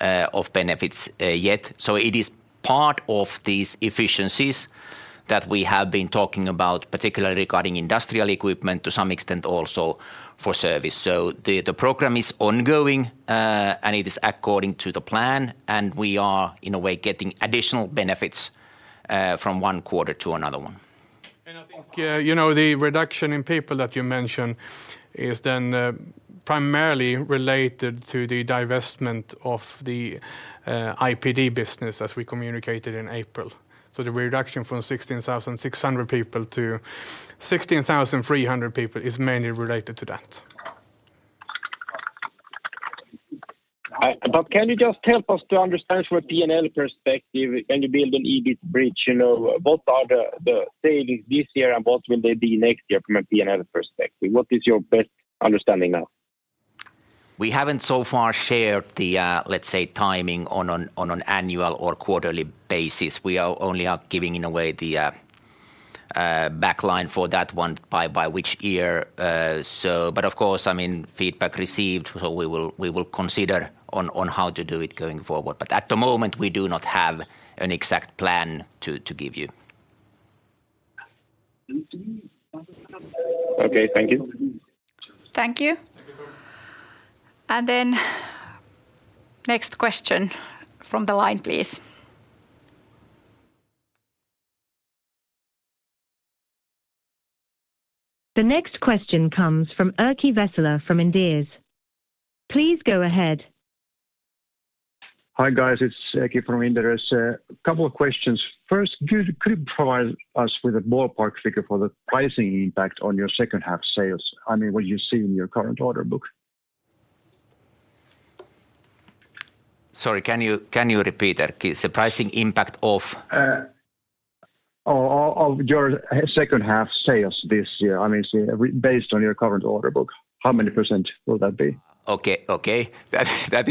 C: of benefits yet. It is part of these efficiencies that we have been talking about, particularly regarding Industrial Equipment, to some extent, also for Service. The program is ongoing, and it is according to the plan, and we are, in a way, getting additional benefits from one quarter to another one.
B: I think, you know, the reduction in people that you mentioned is then primarily related to the divestment of the IPD business, as we communicated in April. The reduction from 16,600 people to 16,300 people is mainly related to that.
I: Can you just help us to understand from a P&L perspective, can you build an EBIT bridge, you know, what are the savings this year, and what will they be next year from a P&L perspective? What is your best understanding now?
C: We haven't so far shared the, let's say, timing on an annual or quarterly basis. We are only are giving in a way the back line for that one by which year. Of course, I mean, feedback received, so we will consider on how to do it going forward. At the moment, we do not have an exact plan to give you.
I: Okay, thank you.
A: Thank you. Next question from the line, please.
D: The next question comes from Erkki Vesola from Inderes. Please go ahead.
J: Hi, guys. It's Erkki from Inderes. Couple of questions. First, could you provide us with a ballpark figure for the pricing impact on your second half sales? I mean, what you see in your current order book.
C: Sorry, can you repeat, Erkki? The pricing impact.
J: Of your second half sales this year? I mean, based on your current order book, how many percent will that be?
C: Okay, okay. That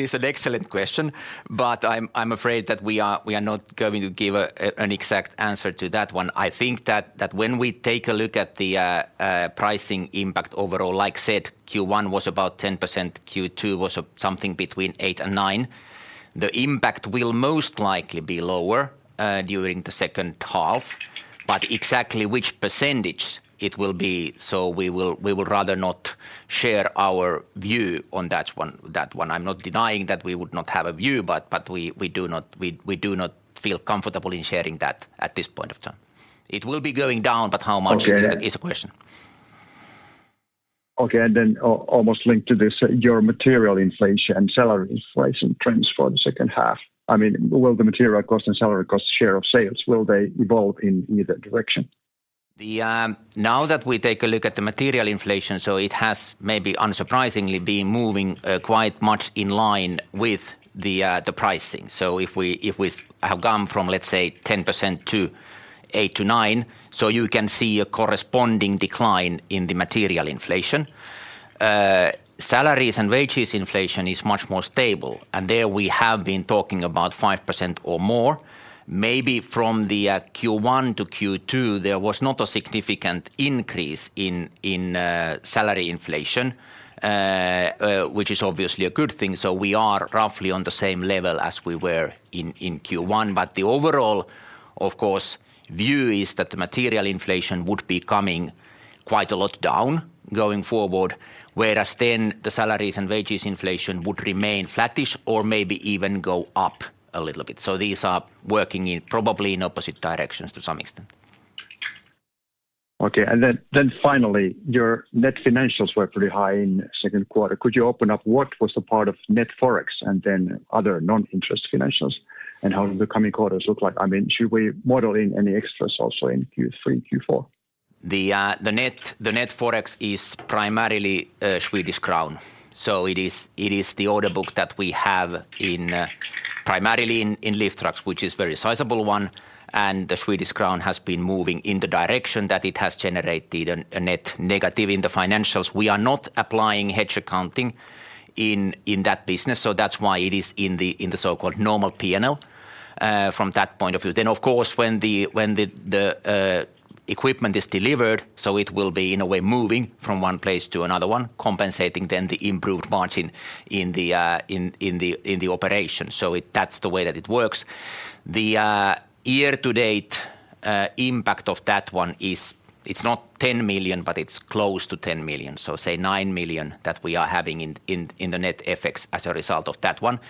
C: is an excellent question, but I'm afraid that we are not going to give an exact answer to that one. I think that when we take a look at the pricing impact overall, like said, Q1 was about 10%, Q2 was something between 8% and 9%. The impact will most likely be lower during the second half, but exactly which percentage it will be, so we will rather not share our view on that one. I'm not denying that we would not have a view, but we do not feel comfortable in sharing that at this point of time. It will be going down, but how much.
J: Okay
C: is the question.
J: Almost linked to this, your material inflation and salary inflation trends for the second half. I mean, will the material cost and salary cost share of sales, will they evolve in either direction?
C: The, now that we take a look at the material inflation, it has maybe unsurprisingly been moving quite much in line with the pricing. If we, if we have gone from, let's say, 10% to 8%-9%, you can see a corresponding decline in the material inflation. Salaries and wages inflation is much more stable, there we have been talking about 5% or more. Maybe from the Q1 to Q2, there was not a significant increase in salary inflation, which is obviously a good thing, we are roughly on the same level as we were in Q1. The overall, of course, view is that the material inflation would be coming quite a lot down going forward, whereas then the salaries and wages inflation would remain flattish or maybe even go up a little bit. These are working in probably in opposite directions to some extent.
J: Okay, then finally, your net financials were pretty high in second quarter. Could you open up what was the part of net Forex and then other non-interest financials, and how the coming quarters look like? I mean, should we model in any extras also in Q3, Q4?
C: The net Forex is primarily Swedish crown. It is the order book that we have in primarily in lift trucks, which is very sizable one, and the Swedish crown has been moving in the direction that it has generated a net negative in the financials. We are not applying hedge accounting in that business, that's why it is in the so-called normal P&L from that point of view. Of course, when the equipment is delivered, it will be, in a way, moving from one place to another one, compensating then the improved margin in the operation. That's the way that it works. Year-to-date impact of that one is it's not 10 million, but it's close to 10 million, so say 9 million that we are having in the net FX as a result of that one.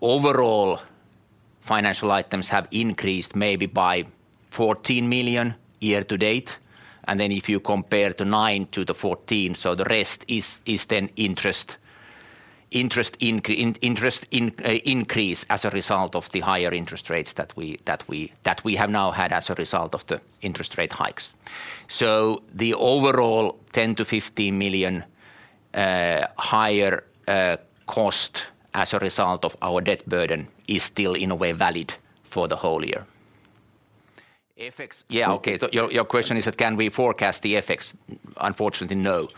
C: Overall financial items have increased maybe by 14 million year to date, if you compare the 9 million to the 14 million, the rest is then interest increase as a result of the higher interest rates that we have now had as a result of the interest rate hikes. The overall 10 million-15 million higher cost as a result of our debt burden is still, in a way, valid for the whole year. Effects. Yeah, okay. Your question is that can we forecast the effects? Unfortunately, no.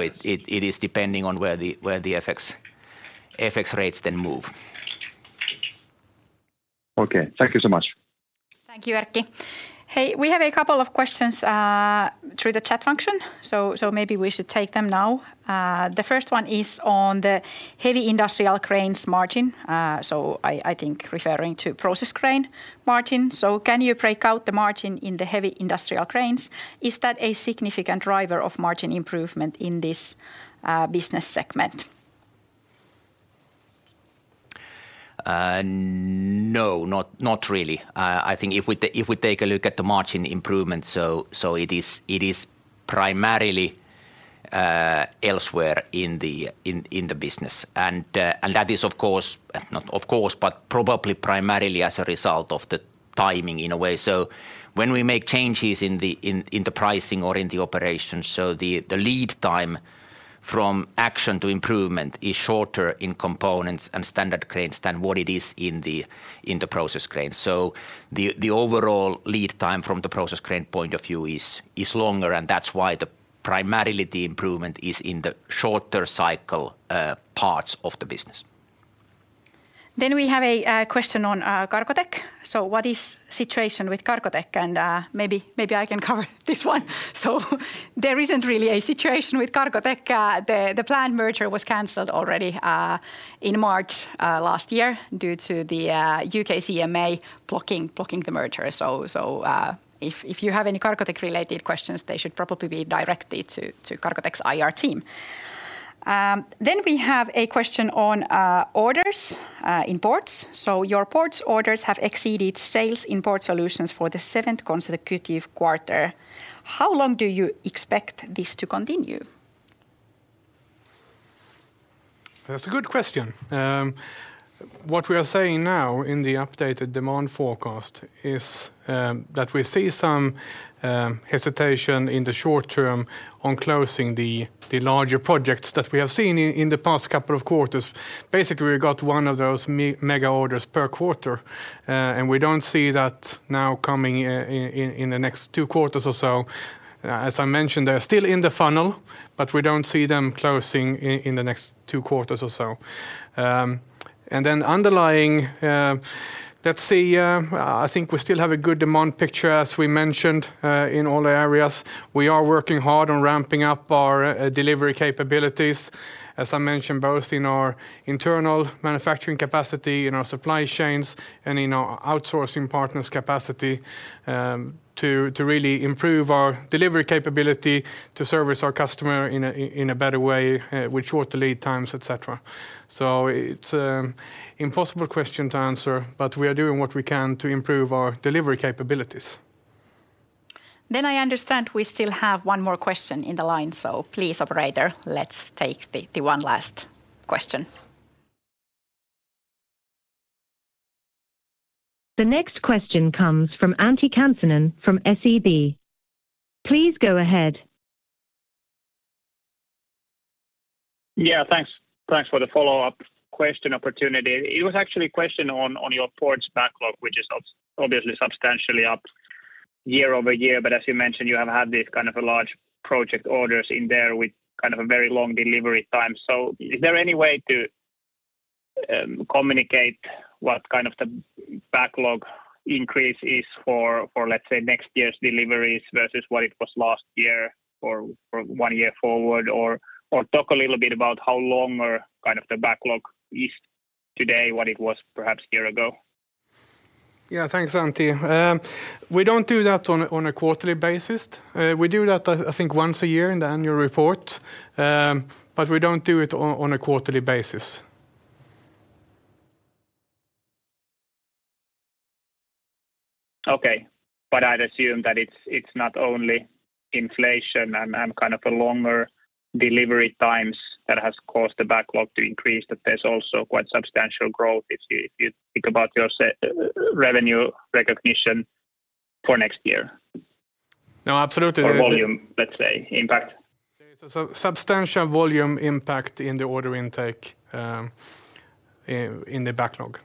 C: It is depending on where the FX rates then move.
J: Okay. Thank you so much.
A: Thank you, Erkki. We have a couple of questions through the chat function, so maybe we should take them now. The first one is on the heavy industrial cranes margin, so I think referring to process crane margin. Can you break out the margin in the heavy industrial cranes? Is that a significant driver of margin improvement in this business segment?
C: No, not really. I think if we take a look at the margin improvement, it is primarily elsewhere in the business. That is, of course, not of course, but probably primarily as a result of the timing in a way. When we make changes in the pricing or in the operations, the lead time from action to improvement is shorter in components and standard cranes than what it is in the process cranes. The overall lead time from the process crane point of view is longer, and that's why the primarily the improvement is in the shorter cycle parts of the business.
A: We have a question on Cargotec. What is situation with Cargotec? Maybe I can cover this one. There isn't really a situation with Cargotec. The planned merger was canceled already in March last year due to the U.K. CMA blocking the merger. If you have any Cargotec-related questions, they should probably be directed to Cargotec's IR team. We have a question on orders in ports. "So your ports orders have exceeded sales in Port Solutions for the seventh consecutive quarter. How long do you expect this to continue?
B: That's a good question. What we are saying now in the updated demand forecast is that we see some hesitation in the short term on closing the larger projects that we have seen in the past couple of quarters. Basically, we got one of those mega orders per quarter, and we don't see that now coming in the next two quarters or so. As I mentioned, they're still in the funnel, but we don't see them closing in the next two quarters or so. Then underlying, let's see, I think we still have a good demand picture, as we mentioned, in all areas. We are working hard on ramping up our delivery capabilities, as I mentioned, both in our internal manufacturing capacity, in our supply chains, and in our outsourcing partners' capacity, to really improve our delivery capability to serve our customer in a better way, with shorter lead times, et cetera. It's impossible question to answer, but we are doing what we can to improve our delivery capabilities.
A: I understand we still have one more question in the line, so please, operator, let's take the one last question.
D: The next question comes from Antti Kansanen from SEB. Please go ahead.
F: Yeah, thanks. Thanks for the follow-up question opportunity. It was actually a question on your ports backlog, which is obviously substantially up year-over-year, but as you mentioned, you have had these kind of a large project orders in there with kind of a very long delivery time. Is there any way to communicate what kind of the backlog increase is for next year's deliveries versus what it was last year or for one year forward? Talk a little bit about how long or kind of the backlog is today, what it was perhaps a year ago?
B: Yeah, thanks, Antti. We don't do that on a quarterly basis. We do that, I think, once a year in the annual report, but we don't do it on a quarterly basis.
F: Okay, I'd assume that it's not only inflation and kind of a longer delivery times that has caused the backlog to increase, that there's also quite substantial growth if you, if you think about your revenue recognition for next year.
B: No.
F: Volume, let's say, impact.
B: There is a substantial volume impact in the order intake, in the backlog.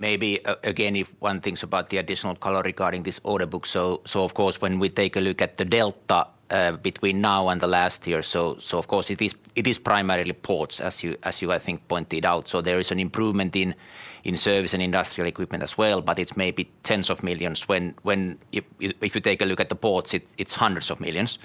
C: Maybe again, if one thinks about the additional color regarding this order book, of course, when we take a look at the delta between now and the last year, of course it is primarily Ports, as you, I think, pointed out. There is an improvement in Service and Industrial Equipment as well, but it's maybe EUR 10s of millions when if you take a look at the Ports, it's EUR 100s of millions,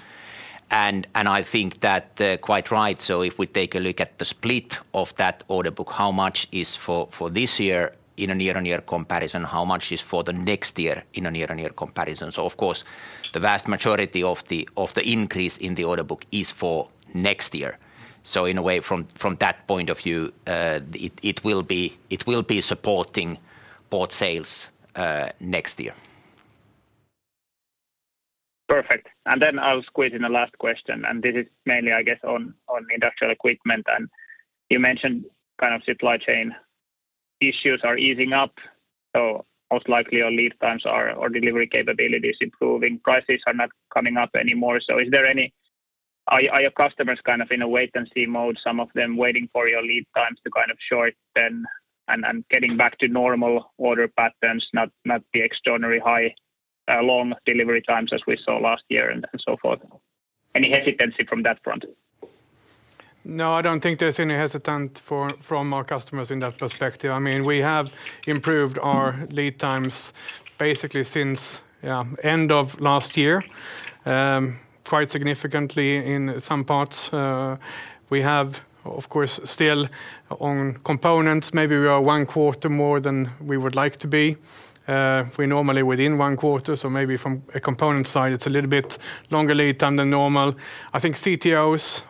C: and I think that quite right. If we take a look at the split of that order book, how much is for this year in a year-on-year comparison, how much is for the next year in a year-on-year comparison? Of course, the vast majority of the increase in the order book is for next year. In a way, from that point of view, it will be supporting port sales next year.
F: Perfect. Then I'll squeeze in the last question. This is mainly, I guess, on Industrial Equipment. You mentioned kind of supply chain issues are easing up. Most likely your lead times or delivery capabilities improving. Prices are not coming up anymore. Are your customers kind of in a wait-and-see mode, some of them waiting for your lead times to kind of shorten and getting back to normal order patterns, not the extraordinary high, long delivery times as we saw last year and so forth? Any hesitancy from that front?
B: No, I don't think there's any hesitant from our customers in that perspective. I mean, we have improved our lead times basically since, yeah, end of last year, quite significantly in some parts. We have, of course, still on components, maybe we are one quarter more than we would like to be. We're normally within one quarter, so maybe from a component side, it's a little bit longer lead time than normal. I think CTOs,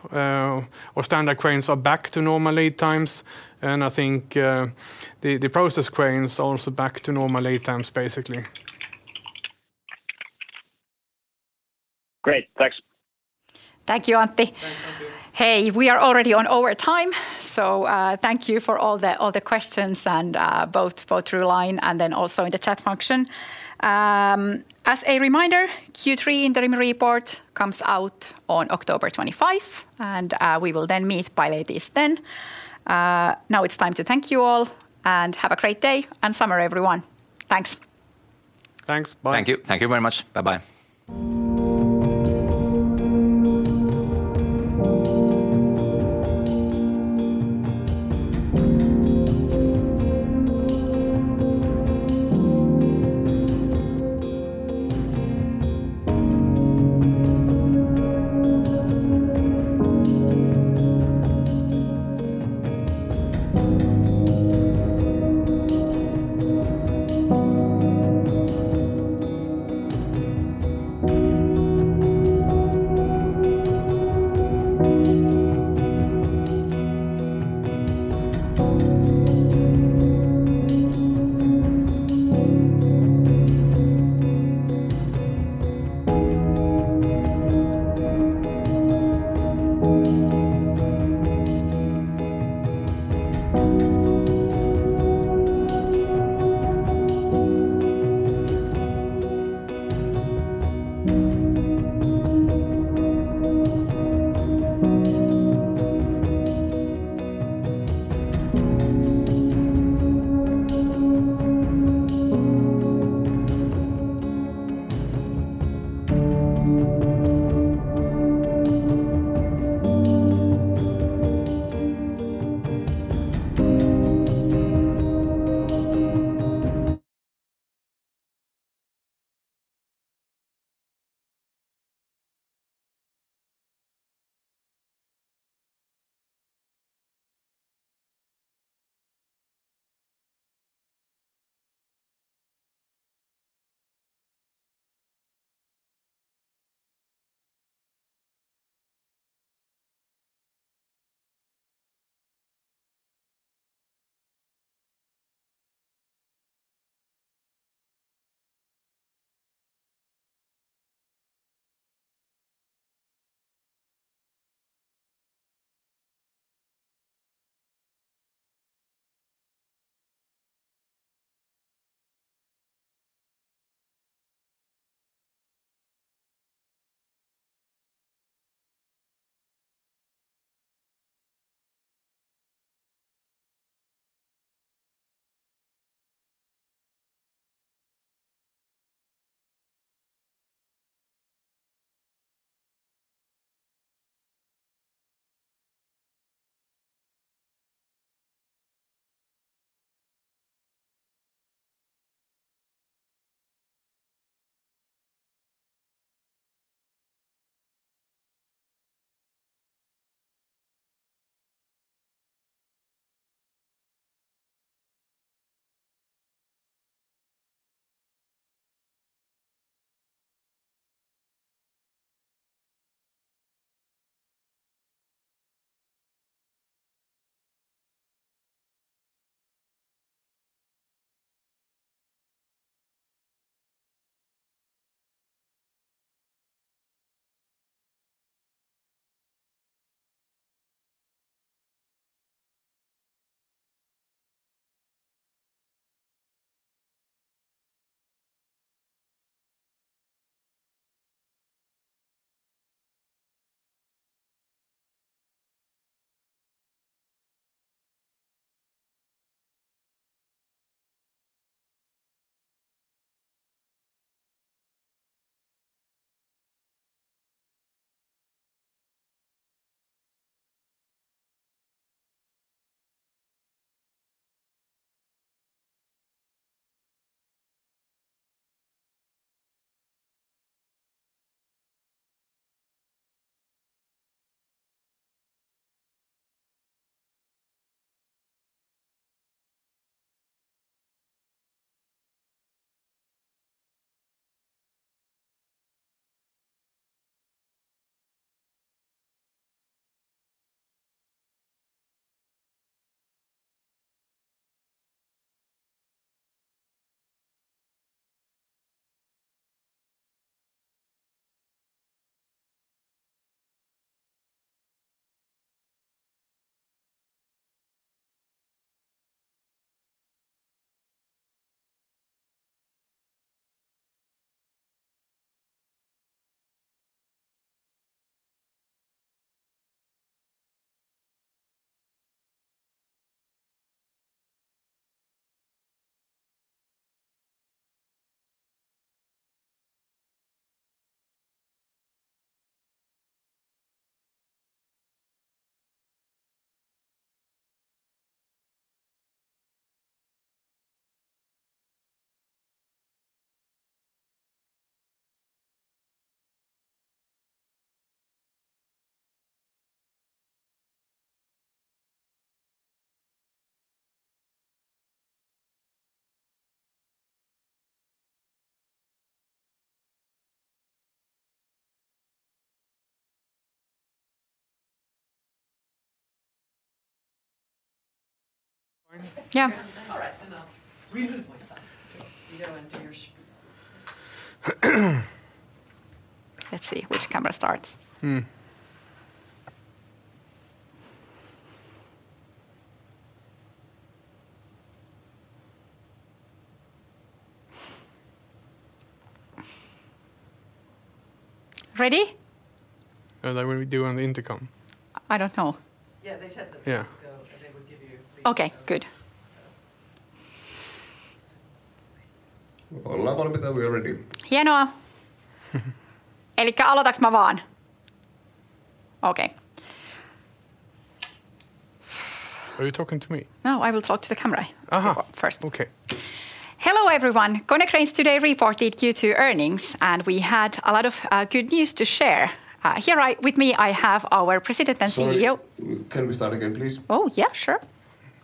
B: or standard cranes are back to normal lead times, and I think the process cranes are also back to normal lead times, basically.
F: Great! Thanks.
A: Thank you, Antti. Hey, we are already on overtime, so, thank you for all the questions and, both through line and then also in the chat function. As a reminder, Q3 interim report comes out on October 25, and, we will then meet by latest then. Now it's time to thank you all, and have a great day and summer, everyone. Thanks.
B: Thanks. Bye.
C: Thank you.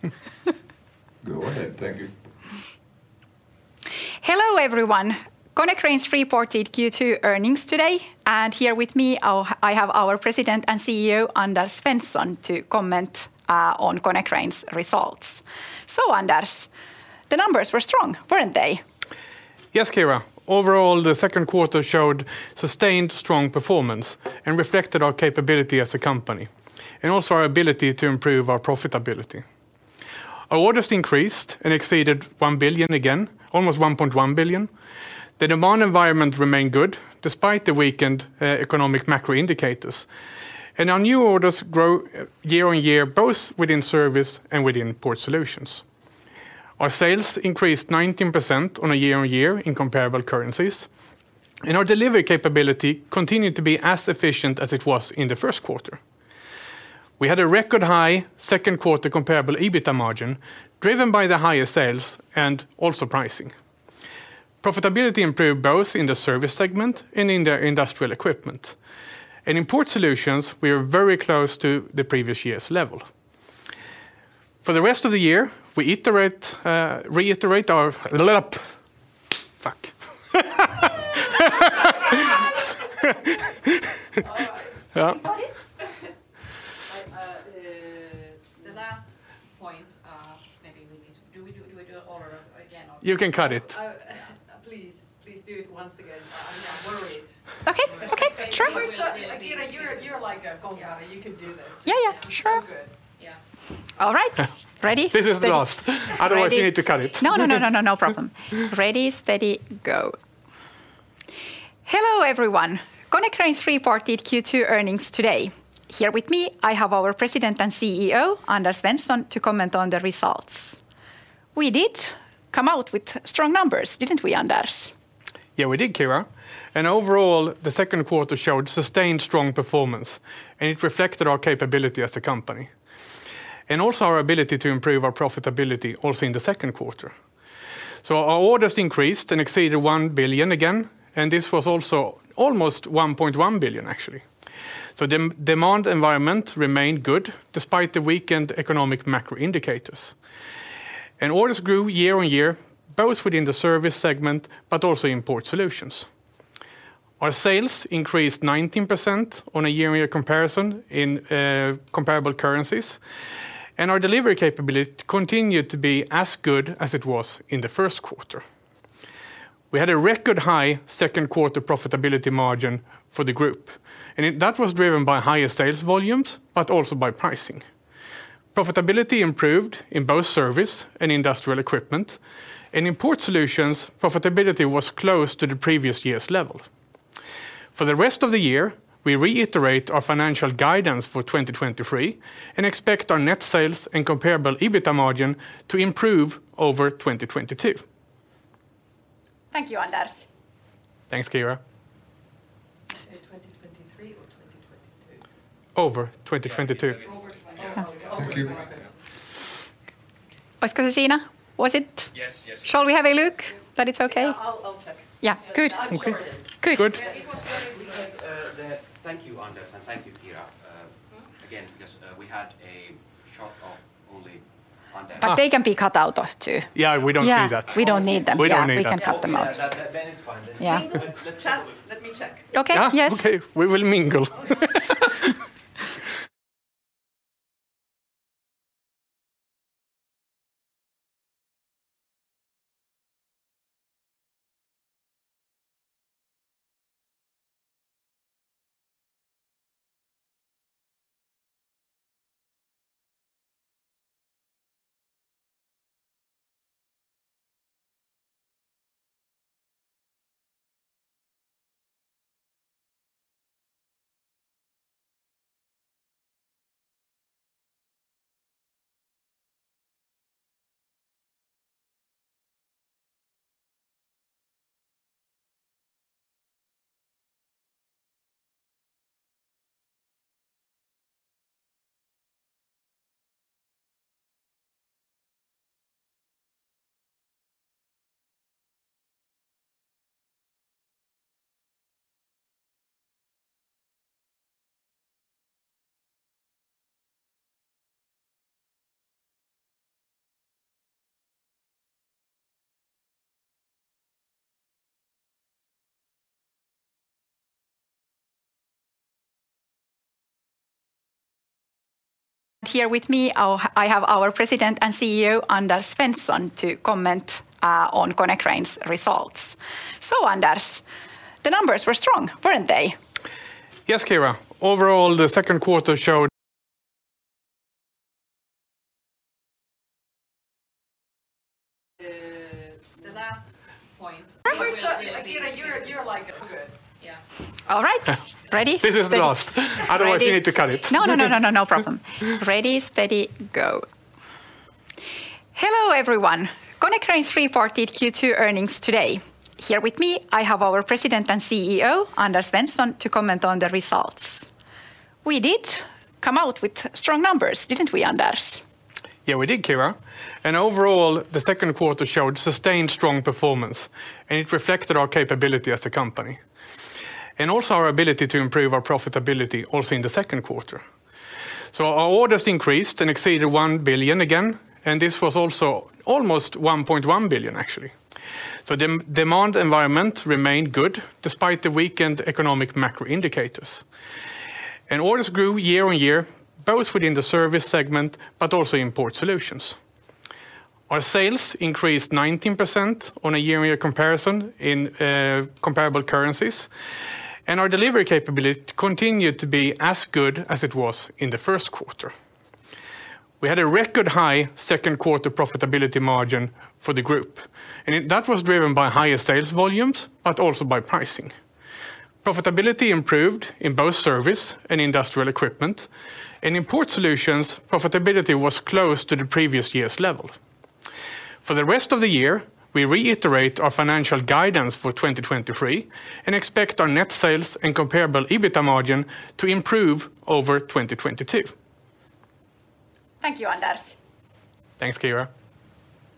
C: Thank you very much. Bye-bye.